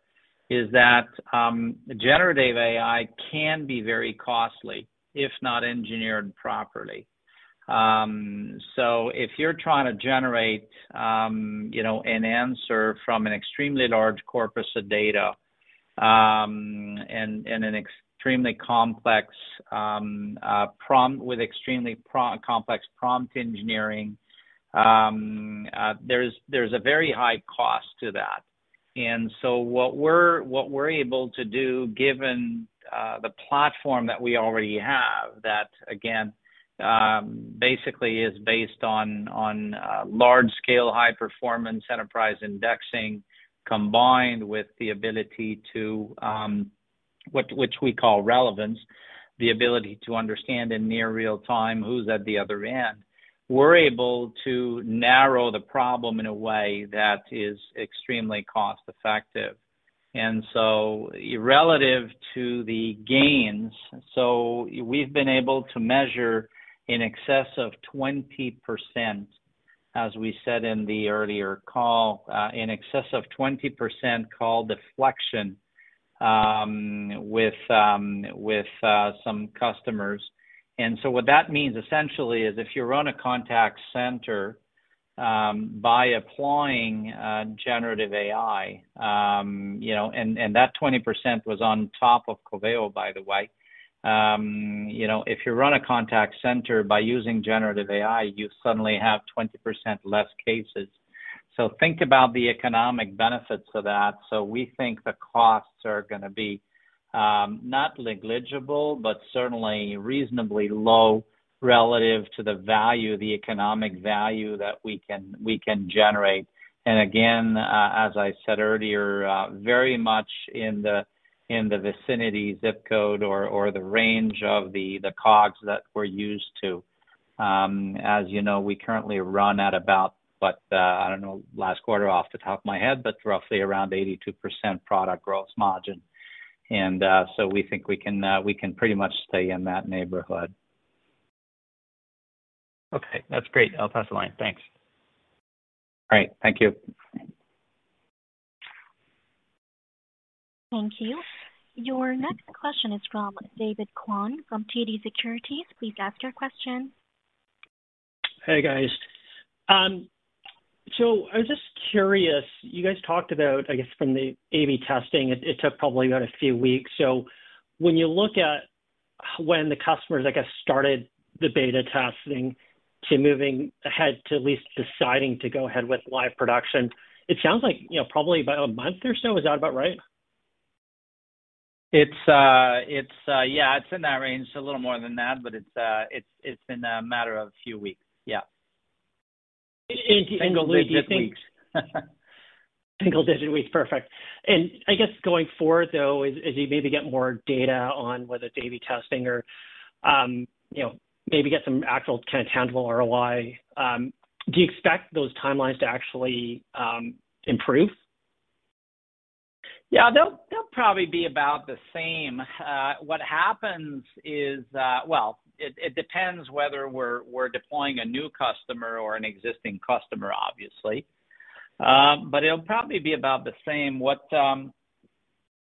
[SPEAKER 3] is that generative AI can be very costly, if not engineered properly. So if you're trying to generate, you know, an answer from an extremely large corpus of data, and an extremely complex prompt with extremely complex prompt engineering, there's a very high cost to that. So what we're able to do, given the platform that we already have, that again basically is based on large-scale, high-performance enterprise indexing, combined with the ability to, which we call relevance, the ability to understand in near real-time who's at the other end, we're able to narrow the problem in a way that is extremely cost-effective. So relative to the gains, we've been able to measure in excess of 20%, as we said in the earlier call, in excess of 20% call deflection, with some customers. And so what that means essentially is if you run a contact center, by applying generative AI, you know, and that 20% was on top of Coveo, by the way. You know, if you run a contact center by using generative AI, you suddenly have 20% less cases. So think about the economic benefits of that. So we think the costs are gonna be not negligible, but certainly reasonably low relative to the value, the economic value that we can generate. And again, as I said earlier, very much in the vicinity, zip code or the range of the COGS that we're used to. As you know, we currently run at about, what, I don't know, last quarter off the top of my head, but roughly around 82% product gross margin. And, so we think we can, we can pretty much stay in that neighborhood.
[SPEAKER 9] Okay, that's great. I'll pass the line. Thanks.
[SPEAKER 3] All right. Thank you.
[SPEAKER 1] Thank you. Your next question is from David Kwan from TD Securities. Please ask your question.
[SPEAKER 10] Hey, guys. So I was just curious, you guys talked about, I guess from the A/B testing, it took probably about a few weeks. So when you look at when the customers, I guess, started the beta testing to moving ahead to at least deciding to go ahead with live production, it sounds like, you know, probably about a month or so. Is that about right?
[SPEAKER 3] It's, yeah, it's in that range, a little more than that, but it's in a matter of a few weeks. Yeah.
[SPEAKER 10] Do you think-
[SPEAKER 3] Single-digit weeks.
[SPEAKER 10] Single digit weeks. Perfect. And I guess going forward, though, as you maybe get more data on whether it's A/B testing or, you know, maybe get some actual kind of tangible ROI, do you expect those timelines to actually, improve?
[SPEAKER 3] Yeah, they'll, they'll probably be about the same. What happens is... Well, it, it depends whether we're, we're deploying a new customer or an existing customer, obviously. But it'll probably be about the same.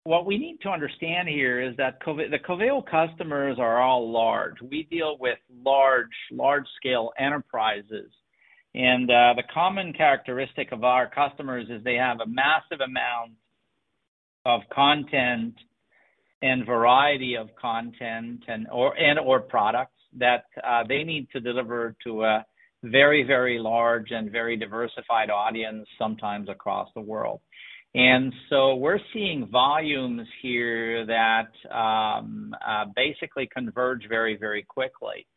[SPEAKER 3] What we need to understand here is that Coveo customers are all large. We deal with large, large-scale enterprises, and the common characteristic of our customers is they have a massive amount of content and variety of content and- or- and/or products that they need to deliver to a very, very large and very diversified audience, sometimes across the world. And so we're seeing volumes here that basically converge very, very quickly.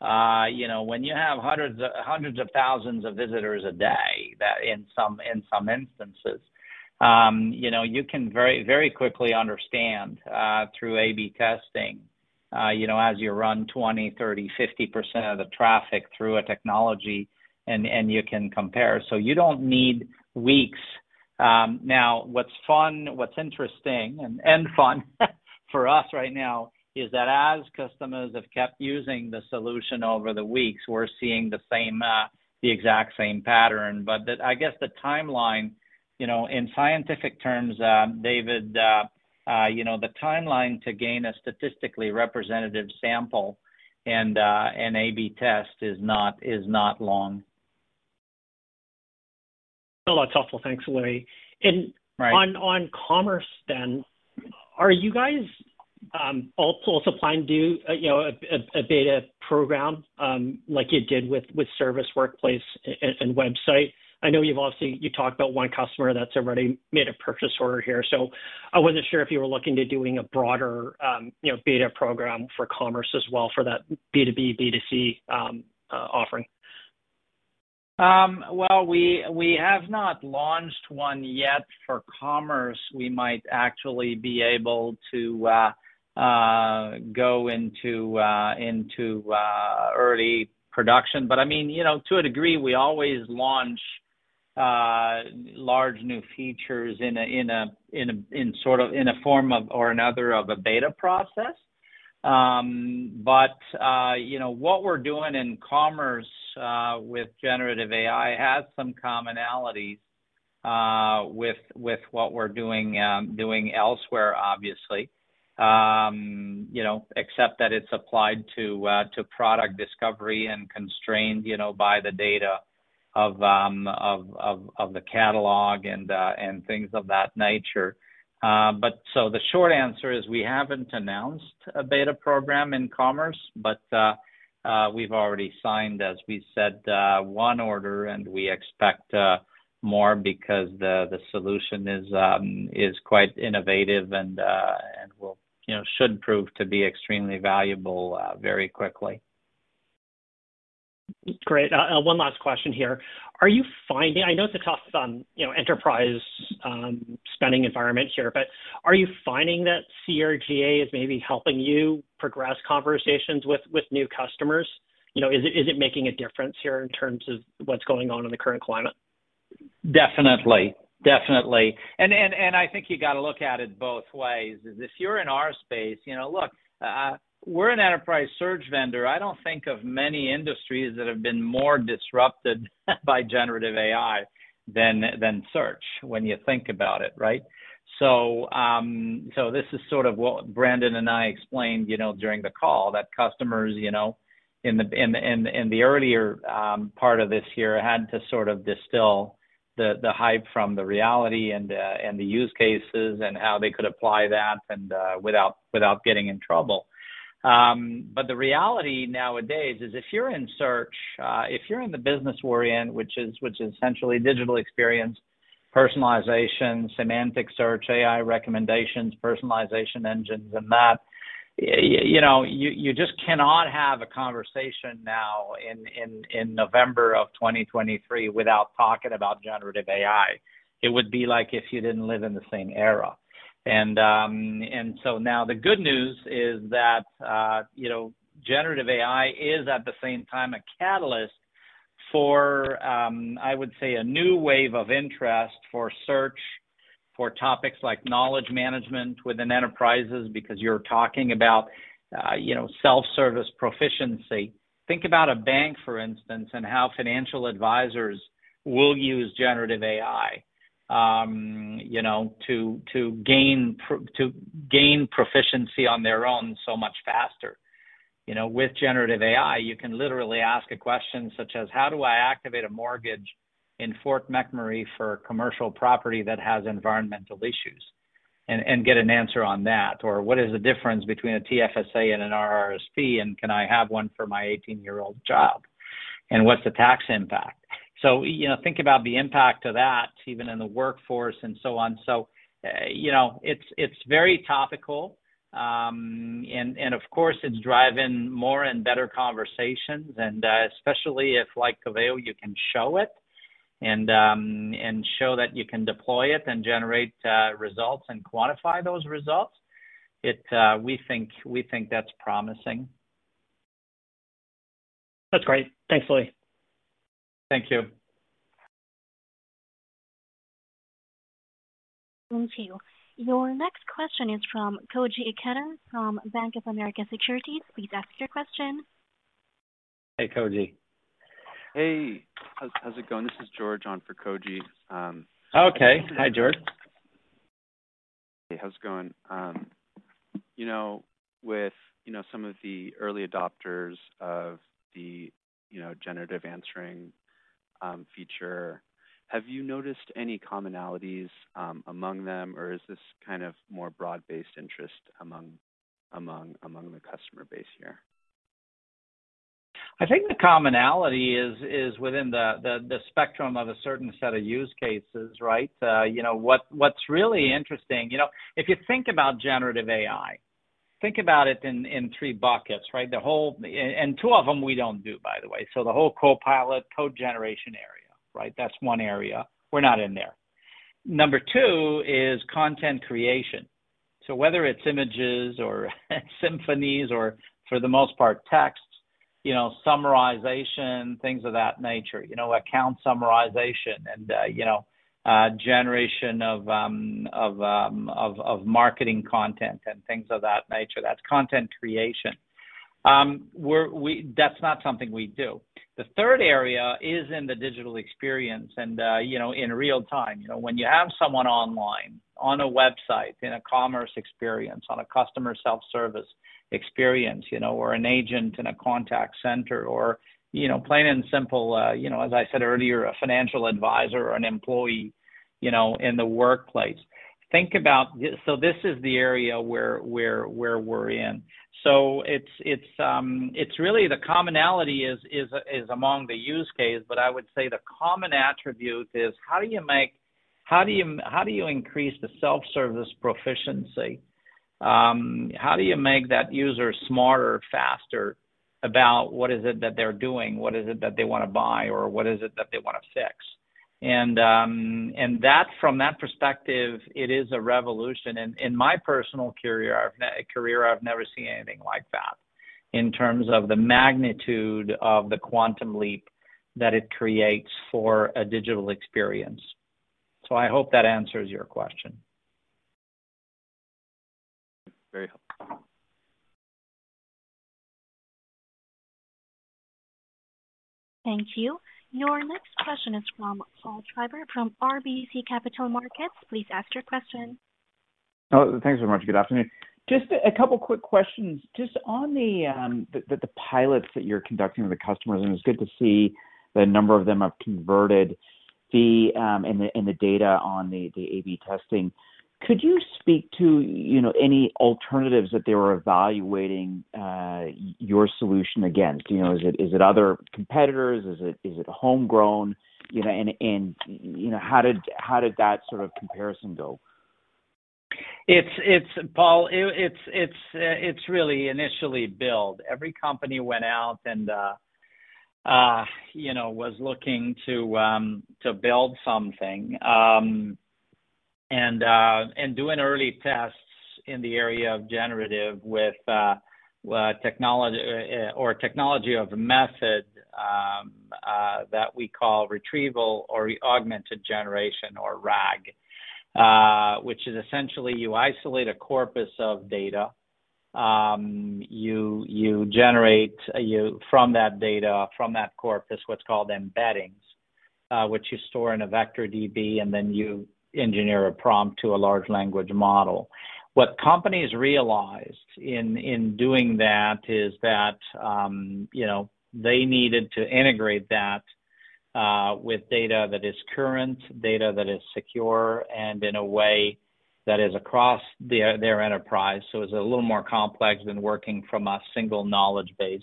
[SPEAKER 3] You know, when you have hundreds of, hundreds of thousands of visitors a day, that in some, in some instances, you know, you can very, very quickly understand through A/B testing, you know, as you run 20, 30, 50% of the traffic through a technology and, and you can compare. So you don't need weeks. Now, what's fun, what's interesting and, and fun for us right now, is that as customers have kept using the solution over the weeks, we're seeing the same, the exact same pattern. But the... I guess the timeline, you know, in scientific terms, David, you know, the timeline to gain a statistically representative sample and, an A/B test is not, is not long.
[SPEAKER 10] No, that's helpful. Thanks, Louis.
[SPEAKER 3] Right.
[SPEAKER 10] On commerce then, are you guys also applying to, you know, a beta program like you did with Service Workplace and Website? I know you've obviously you talked about one customer that's already made a purchase order here, so I wasn't sure if you were looking to doing a broader, you know, beta program for commerce as well, for that B2B, B2C offering.
[SPEAKER 3] Well, we have not launched one yet for commerce. We might actually be able to go into early production. But I mean, you know, to a degree, we always launch large new features in a form or another of a beta process. But you know, what we're doing in commerce with generative AI has some commonalities with what we're doing elsewhere, obviously. You know, except that it's applied to product discovery and constrained, you know, by the data of the catalog and things of that nature. So the short answer is, we haven't announced a beta program in commerce, but we've already signed, as we said, one order, and we expect more because the solution is quite innovative and will, you know, should prove to be extremely valuable very quickly.
[SPEAKER 10] Great. One last question here: Are you finding, I know it's a tough, you know, enterprise spending environment here, but are you finding that CRGA is maybe helping you progress conversations with, with new customers? You know, is it, is it making a difference here in terms of what's going on in the current climate?
[SPEAKER 3] Definitely. Definitely. And I think you got to look at it both ways. If you're in our space, you know, look, we're an enterprise search vendor. I don't think of many industries that have been more disrupted by generative AI than search when you think about it, right? So this is sort of what Brandon and I explained, you know, during the call, that customers, you know, in the earlier part of this year had to sort of distill the hype from the reality and the use cases, and how they could apply that and without getting in trouble. But the reality nowadays is if you're in search, if you're in the business we're in, which is, which is essentially digital experience, personalization, semantic search, AI recommendations, personalization engines, and that, you know, you just cannot have a conversation now in November of 2023 without talking about generative AI. It would be like if you didn't live in the same era. And, and so now the good news is that, you know, generative AI is, at the same time, a catalyst for, I would say, a new wave of interest for search, for topics like knowledge management within enterprises, because you're talking about, you know, self-service proficiency. Think about a bank, for instance, and how financial advisors will use generative AI, you know, to gain proficiency on their own so much faster. You know, with generative AI, you can literally ask a question such as: How do I activate a mortgage in Fort McMurray for commercial property that has environmental issues? And get an answer on that. Or what is the difference between a TFSA and an RRSP, and can I have one for my 18-year-old job? And what's the tax impact? So, you know, think about the impact of that, even in the workforce and so on. So, you know, it's very topical. And of course, it's driving more and better conversations, and especially if, like Coveo, you can show it and show that you can deploy it and generate results and quantify those results. It, we think that's promising.
[SPEAKER 10] That's great. Thanks, Louis.
[SPEAKER 3] Thank you.
[SPEAKER 1] Thank you. Your next question is from Koji Ikeda, from Bank of America Securities. Please ask your question.
[SPEAKER 3] Hey, Koji.
[SPEAKER 9] Hey, how's it going? This is George on for Koji.
[SPEAKER 3] Okay. Hi, George.
[SPEAKER 9] Hey, how's it going? You know, with you know, some of the early adopters of the you know, generative answering feature, have you noticed any commonalities among them, or is this kind of more broad-based interest among the customer base here?
[SPEAKER 3] I think the commonality is within the spectrum of a certain set of use cases, right? You know what, what's really interesting, you know, if you think about generative AI, think about it in three buckets, right? The whole and two of them we don't do, by the way. So the whole copilot code generation area, right? That's one area, we're not in there. Number two is content creation. So whether it's images or symphonies or for the most part, text, you know, summarization, things of that nature, you know, account summarization and, you know, generation of marketing content and things of that nature, that's content creation. That's not something we do. The third area is in the digital experience, and, you know, in real time, you know, when you have someone online, on a website, in a commerce experience, on a customer self-service experience, you know, or an agent in a contact center, or, you know, plain and simple, you know, as I said earlier, a financial advisor or an employee, you know, in the workplace. So this is the area where we're in. So it's really the commonality is among the use case, but I would say the common attribute is: How do you make, how do you increase the self-service proficiency? How do you make that user smarter, faster, about what is it that they're doing, what is it that they wanna buy, or what is it that they wanna fix? From that perspective, it is a revolution. And in my personal career, I've never seen anything like that in terms of the magnitude of the quantum leap that it creates for a digital experience. So I hope that answers your question.
[SPEAKER 9] Very helpful.
[SPEAKER 1] Thank you. Your next question is from Paul Treiber from RBC Capital Markets. Please ask your question.
[SPEAKER 11] Thanks very much. Good afternoon. Just a couple quick questions. Just on the pilots that you're conducting with the customers, and it's good to see the number of them have converted the, and the data on the AB testing. Could you speak to, you know, any alternatives that they were evaluating your solution against? You know, is it other competitors? Is it homegrown? You know, and, you know, how did that sort of comparison go?
[SPEAKER 3] It's Paul, it's really initially build. Every company went out and, you know, was looking to build something. And doing early tests in the area of generative with technology or technology of a method that we call Retrieval-Augmented Generation or RAG. Which is essentially, you isolate a corpus of data, you generate from that data, from that corpus, what's called embeddings, which you store in a vector DB, and then you engineer a prompt to a large language model. What companies realized in doing that is that, you know, they needed to integrate that with data that is current, data that is secure, and in a way that is across their enterprise. So it's a little more complex than working from a single knowledge base.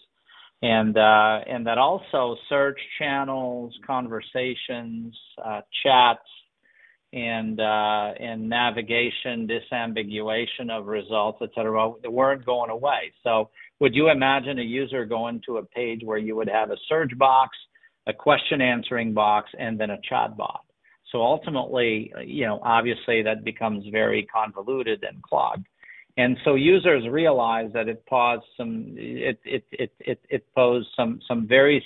[SPEAKER 3] And that also search channels, conversations, chats and navigation, disambiguation of results, et cetera, they weren't going away. So would you imagine a user going to a page where you would have a search box, a question answering box, and then a chat bot? So ultimately, you know, obviously that becomes very convoluted and clogged. And so users realize that it caused some... It posed some very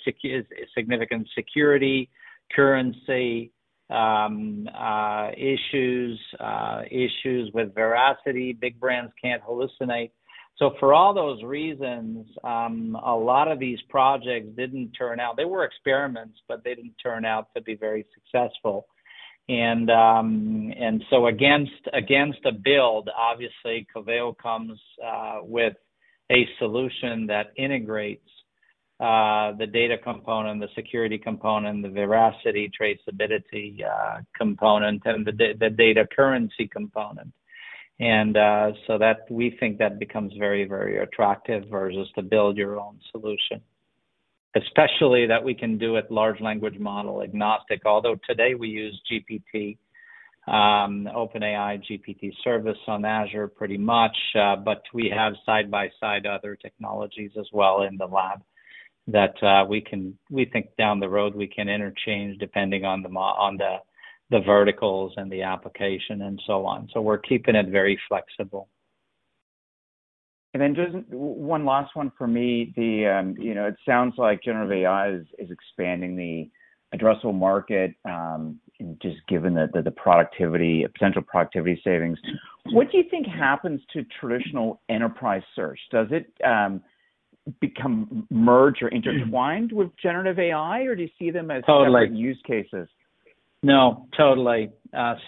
[SPEAKER 3] significant security, currency, issues with veracity. Big brands can't hallucinate. So for all those reasons, a lot of these projects didn't turn out. They were experiments, but they didn't turn out to be very successful. Against a build, obviously, Coveo comes with a solution that integrates the data component, the security component, the veracity, traceability component, and the data currency component. And so that we think that becomes very, very attractive versus to build your own solution. Especially that we can do it large language model agnostic, although today we use GPT, OpenAI GPT service on Azure pretty much, but we have side by side other technologies as well in the lab, that we think down the road, we can interchange depending on the verticals and the application and so on. So we're keeping it very flexible.
[SPEAKER 11] Then just one last one for me. You know, it sounds like generative AI is expanding the addressable market just given the potential productivity savings. What do you think happens to traditional enterprise search? Does it become merged or intertwined with generative AI, or do you see them as-
[SPEAKER 3] Totally.
[SPEAKER 11] - separate use cases?
[SPEAKER 3] No, totally.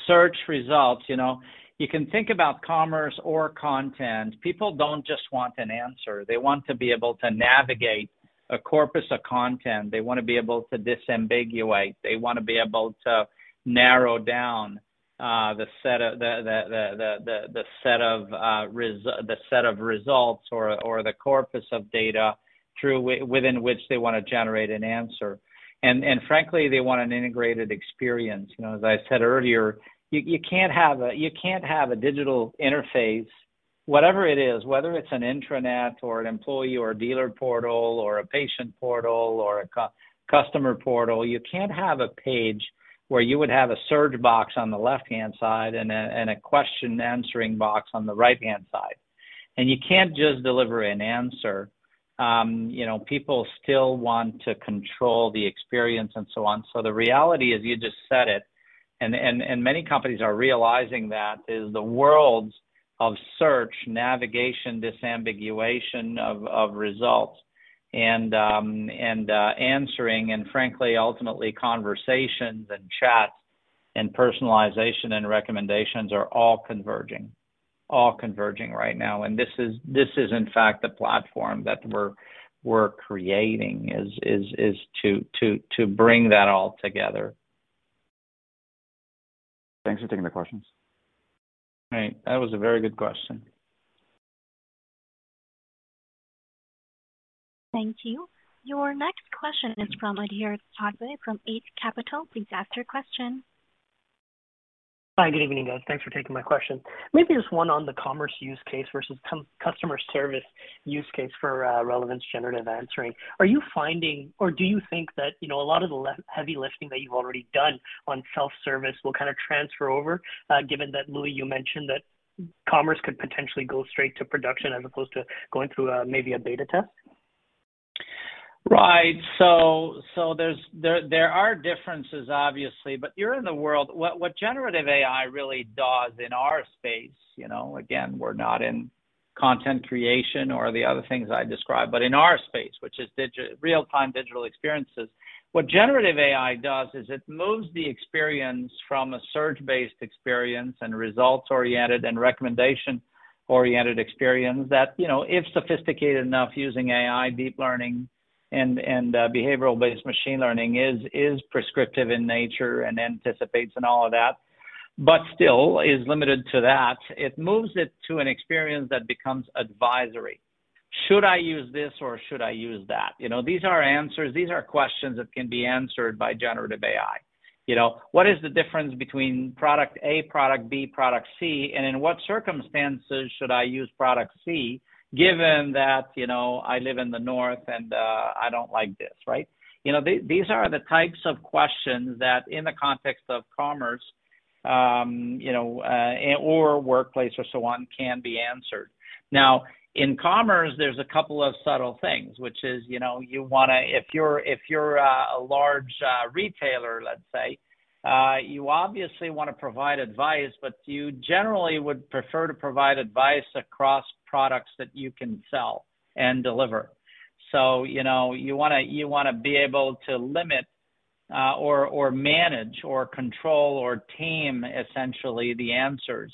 [SPEAKER 3] Search results, you know, you can think about commerce or content. People don't just want an answer, they want to be able to navigate a corpus of content. They wanna be able to disambiguate, they wanna be able to narrow down the set of results or the corpus of data within which they wanna generate an answer. And frankly, they want an integrated experience. You know, as I said earlier, you can't have a digital interface, whatever it is, whether it's an intranet or an employee or a dealer portal or a patient portal or a customer portal. You can't have a page where you would have a search box on the left-hand side and a question answering box on the right-hand side. And you can't just deliver an answer, you know, people still want to control the experience and so on. So the reality is, you just said it, and many companies are realizing that, is the worlds of search, navigation, disambiguation of results, and answering, and frankly, ultimately, conversations and chats and personalization and recommendations are all converging. All converging right now, and this is in fact the platform that we're creating is to bring that all together.
[SPEAKER 11] Thanks for taking the questions.
[SPEAKER 3] Hey, that was a very good question.
[SPEAKER 1] Thank you. Your next question is from Adhiraj Walia from Eight Capital. Please ask your question.
[SPEAKER 12] Hi, good evening, guys. Thanks for taking my question. Maybe just one on the commerce use case versus customer service use case for Relevance Generative Answering. Are you finding or do you think that, you know, a lot of the heavy lifting that you've already done on self-service will kind of transfer over, given that, Louis, you mentioned that commerce could potentially go straight to production as opposed to going through a, maybe a beta test?
[SPEAKER 3] Right. So there are differences, obviously, but you're in the world, what generative AI really does in our space, you know, again, we're not in content creation or the other things I described. But in our space, which is real-time digital experiences, what generative AI does is it moves the experience from a search-based experience and results-oriented and recommendation-oriented experience that, you know, if sophisticated enough, using AI, deep learning and behavioral-based machine learning is prescriptive in nature and anticipates and all of that, but still is limited to that. It moves it to an experience that becomes advisory. Should I use this or should I use that? You know, these are answers. These are questions that can be answered by generative AI. You know, what is the difference between product A, product B, product C, and in what circumstances should I use product C, given that, you know, I live in the north and, I don't like this, right? You know, these are the types of questions that in the context of commerce, you know, and or workplace or so on, can be answered. Now, in commerce, there's a couple of subtle things, which is, you know, you wanna if you're, if you're, a large, retailer, let's say, you obviously wanna provide advice, but you generally would prefer to provide advice across products that you can sell and deliver. So, you know, you wanna, you wanna be able to limit or manage, or control or tame, essentially, the answers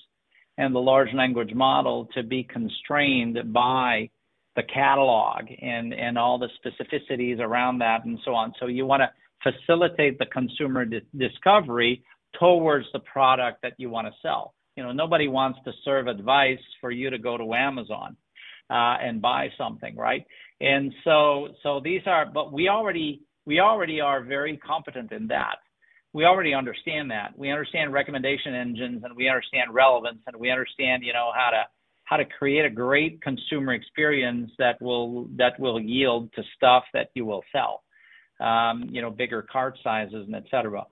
[SPEAKER 3] and the large language model to be constrained by the catalog and all the specificities around that, and so on. So you wanna facilitate the consumer discovery towards the product that you wanna sell. You know, nobody wants to serve advice for you to go to Amazon and buy something, right? And so these are. But we already, we already are very competent in that. We already understand that. We understand recommendation engines, and we understand relevance, and we understand, you know, how to create a great consumer experience that will yield to stuff that you will sell, you know, bigger cart sizes and etc.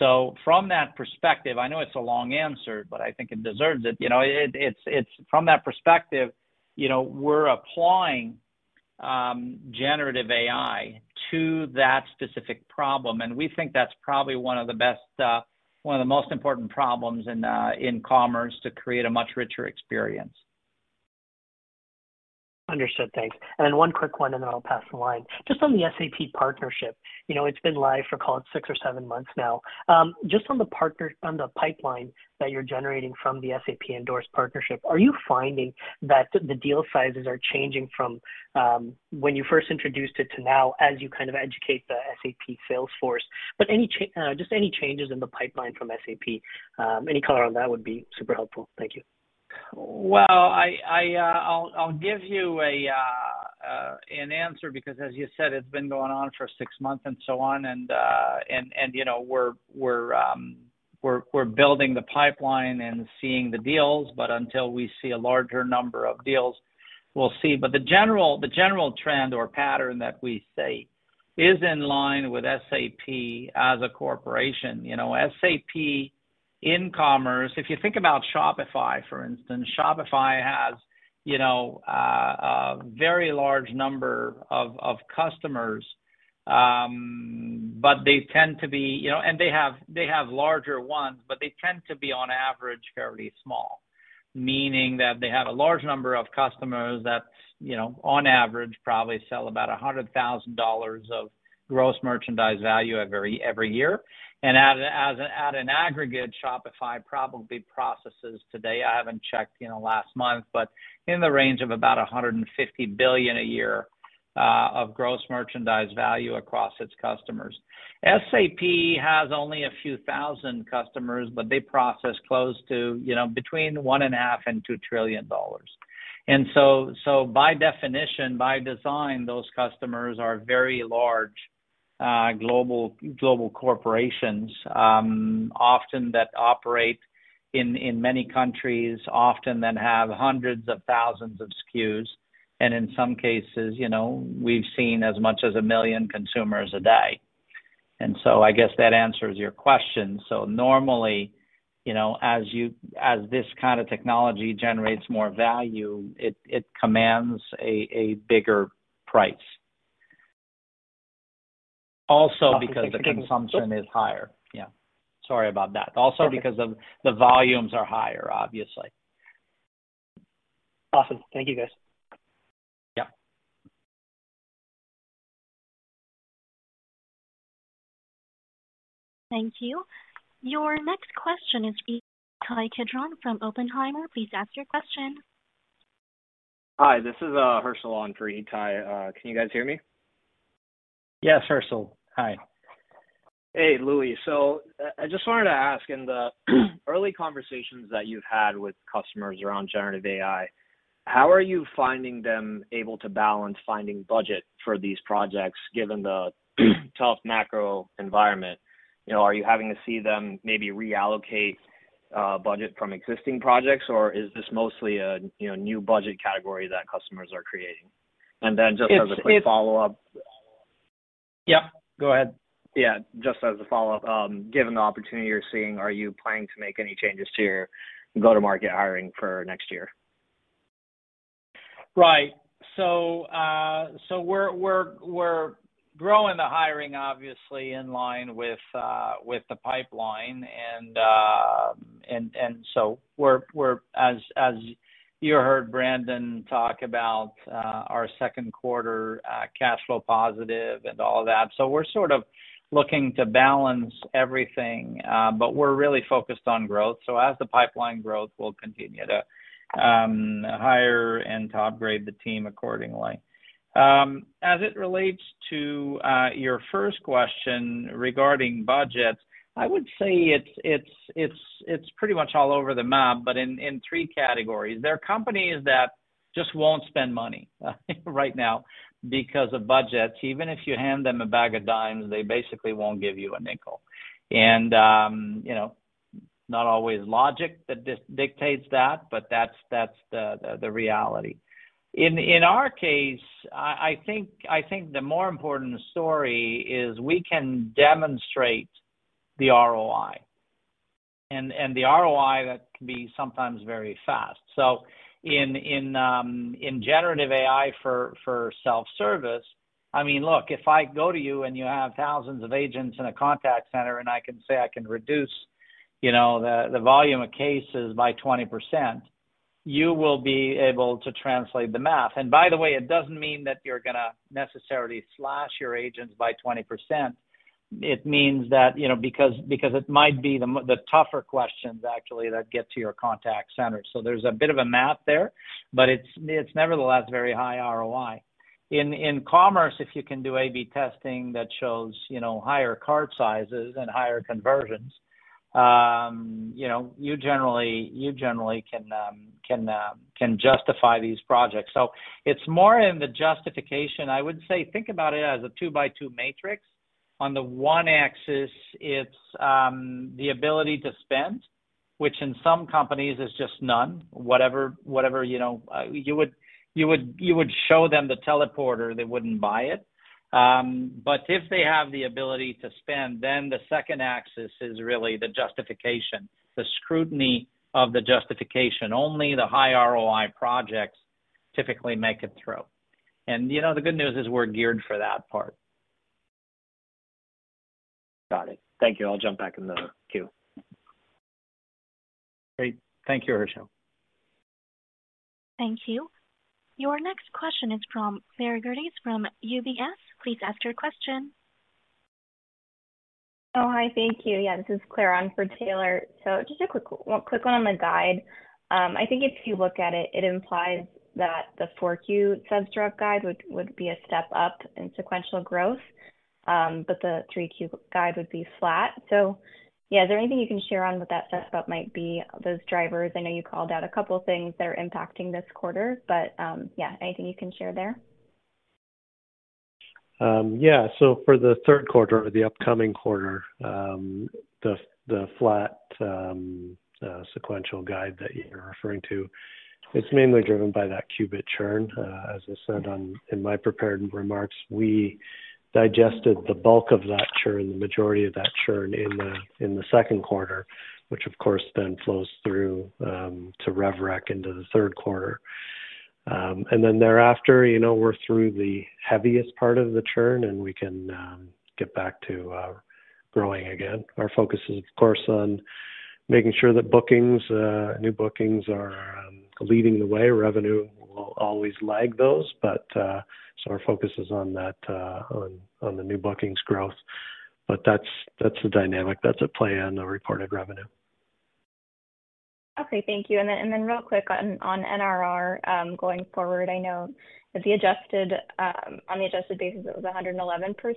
[SPEAKER 3] So from that perspective, I know it's a long answer, but I think it deserves it. You know, it's from that perspective, you know, we're applying generative AI to that specific problem, and we think that's probably one of the best, one of the most important problems in commerce to create a much richer experience.
[SPEAKER 12] Understood. Thanks. And then one quick one, and then I'll pass the line. Just on the SAP partnership, you know, it's been live for, call it, six or seven months now. Just on the pipeline that you're generating from the SAP endorsed partnership, are you finding that the deal sizes are changing from, when you first introduced it to now, as you kind of educate the SAP sales force? But just any changes in the pipeline from SAP, any color on that would be super helpful. Thank you.
[SPEAKER 3] Well, I'll give you an answer because, as you said, it's been going on for six months and so on, and you know, we're building the pipeline and seeing the deals. But until we see a larger number of deals, we'll see. But the general trend or pattern that we see is in line with SAP as a corporation. You know, SAP in commerce, if you think about Shopify, for instance, Shopify has, you know, a very large number of customers, but they tend to be... You know, and they have larger ones, but they tend to be, on average, fairly small. Meaning that they have a large number of customers that, you know, on average, probably sell about $100,000 of gross merchandise value every year. And at an aggregate, Shopify probably processes today, I haven't checked, you know, last month, but in the range of about $150 billion a year of gross merchandise value across its customers. SAP has only a few thousand customers, but they process close to, you know, between $1.5 trillion and $2 trillion. And so by definition, by design, those customers are very large global corporations, often that operate in many countries, often that have hundreds of thousands of SKUs, and in some cases, you know, we've seen as much as 1 million consumers a day. And so I guess that answers your question. So normally, you know, as this kind of technology generates more value, it commands a bigger price. Also because the consumption is higher. Yeah, sorry about that. Also because the volumes are higher, obviously.
[SPEAKER 12] Awesome. Thank you, guys.
[SPEAKER 3] Yeah.
[SPEAKER 1] Thank you. Your next question is Itai Kidron from Oppenheimer. Please ask your question.
[SPEAKER 13] Hi, this is Herschel on for Itai. Can you guys hear me?
[SPEAKER 3] Yes, Herschel. Hi.
[SPEAKER 13] Hey, Louis. So I, I just wanted to ask, in the early conversations that you've had with customers around generative AI, how are you finding them able to balance finding budget for these projects, given the tough macro environment? You know, are you having to see them maybe reallocate, budget from existing projects, or is this mostly a, you know, new budget category that customers are creating? And then just as a quick follow-up-
[SPEAKER 3] Yeah, go ahead.
[SPEAKER 13] Yeah, just as a follow-up, given the opportunity you're seeing, are you planning to make any changes to your go-to-market hiring for next year?...
[SPEAKER 3] Right. So, we're growing the hiring, obviously, in line with the pipeline. And so we're, as you heard Brandon talk about, our Q2, cash flow positive and all that. So we're sort of looking to balance everything, but we're really focused on growth. So as the pipeline grows, we'll continue to hire and to upgrade the team accordingly. As it relates to your first question regarding budgets, I would say it's pretty much all over the map, but in three categories. There are companies that just won't spend money right now because of budgets. Even if you hand them a bag of dimes, they basically won't give you a nickel. You know, not always logic that just dictates that, but that's the reality. In our case, I think the more important story is we can demonstrate the ROI, and the ROI that can be sometimes very fast. So in generative AI for self-service, I mean, look, if I go to you and you have thousands of agents in a contact center, and I can say I can reduce, you know, the volume of cases by 20%, you will be able to translate the math. And by the way, it doesn't mean that you're gonna necessarily slash your agents by 20%. It means that, you know, because it might be the tougher questions, actually, that get to your contact center. So there's a bit of a math there, but it's nevertheless very high ROI. In commerce, if you can do A/B testing that shows, you know, higher cart sizes and higher conversions, you know, you generally can justify these projects. So it's more in the justification. I would say, think about it as a two-by-two matrix. On the one axis, it's the ability to spend, which in some companies is just none, whatever, you know, you would show them the teleporter, they wouldn't buy it. But if they have the ability to spend, then the second axis is really the justification, the scrutiny of the justification. Only the high ROI projects typically make it through. And, you know, the good news is we're geared for that part.
[SPEAKER 13] Got it. Thank you. I'll jump back in the queue.
[SPEAKER 4] Great. Thank you, Herschel.
[SPEAKER 1] Thank you. Your next question is from Claire Gerdes from UBS. Please ask your question.
[SPEAKER 14] Oh, hi. Thank you. Yeah, this is Clara on for Taylor. So just a quick, quick one on the guide. I think if you look at it, it implies that the 4Q sub guide would be a step up in sequential growth, but the 3Q guide would be flat. So, yeah, is there anything you can share on what that step up might be, those drivers? I know you called out a couple of things that are impacting this quarter, but, yeah, anything you can share there?
[SPEAKER 4] Yeah. So for the Q3 or the upcoming quarter, the flat sequential guide that you're referring to, it's mainly driven by that Qubit churn. As I said in my prepared remarks, we digested the bulk of that churn, the majority of that churn in the Q2, which of course then flows through to rev rec into the Q3. And then thereafter, you know, we're through the heaviest part of the churn, and we can get back to growing again. Our focus is, of course, on making sure that bookings new bookings are leading the way. Revenue will always lag those, but so our focus is on that, on the new bookings growth. But that's the dynamic, that's at play on the reported revenue.
[SPEAKER 14] Okay, thank you. And then real quick on NRR, going forward, I know the adjusted, on the adjusted basis, it was 111%.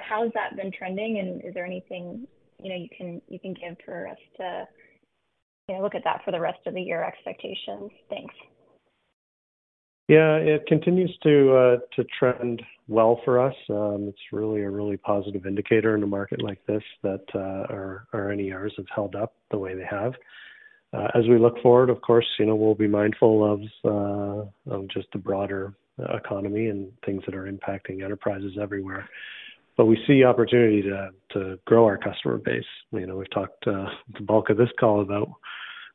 [SPEAKER 14] How has that been trending? And is there anything, you know, you can give for us to, you know, look at that for the rest of the year expectations? Thanks.
[SPEAKER 4] Yeah, it continues to trend well for us. It's really a really positive indicator in a market like this, that our NRRs have held up the way they have. As we look forward, of course, you know, we'll be mindful of just the broader economy and things that are impacting enterprises everywhere. But we see opportunity to grow our customer base. You know, we've talked the bulk of this call about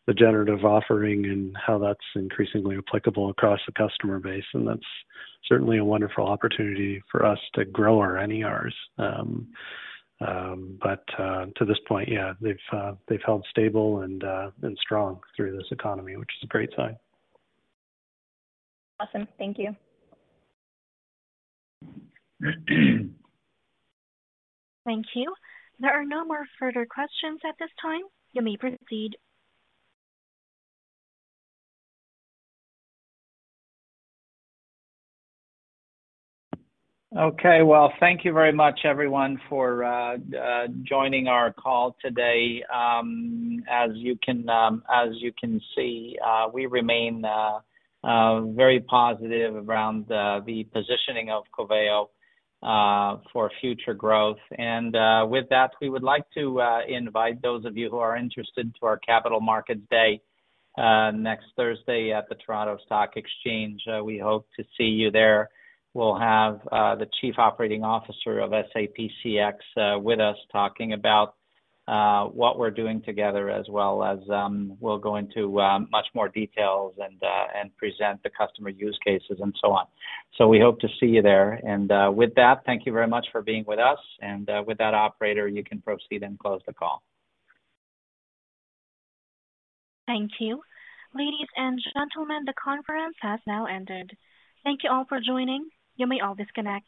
[SPEAKER 4] the generative offering and how that's increasingly applicable across the customer base, and that's certainly a wonderful opportunity for us to grow our NRRs. But to this point, yeah, they've held stable and strong through this economy, which is a great sign.
[SPEAKER 14] Awesome. Thank you.
[SPEAKER 1] Thank you. There are no more further questions at this time. You may proceed.
[SPEAKER 3] Okay. Well, thank you very much, everyone, for joining our call today. As you can see, we remain very positive around the positioning of Coveo for future growth. And with that, we would like to invite those of you who are interested to our Capital Markets Day next Thursday at the Toronto Stock Exchange. We hope to see you there. We'll have the Chief Operating Officer of SAP CX with us, talking about what we're doing together, as well as we'll go into much more details and present the customer use cases and so on. So we hope to see you there. And with that, thank you very much for being with us, and with that, operator, you can proceed and close the call.
[SPEAKER 1] Thank you. Ladies and gentlemen, the conference has now ended. Thank you all for joining. You may all disconnect.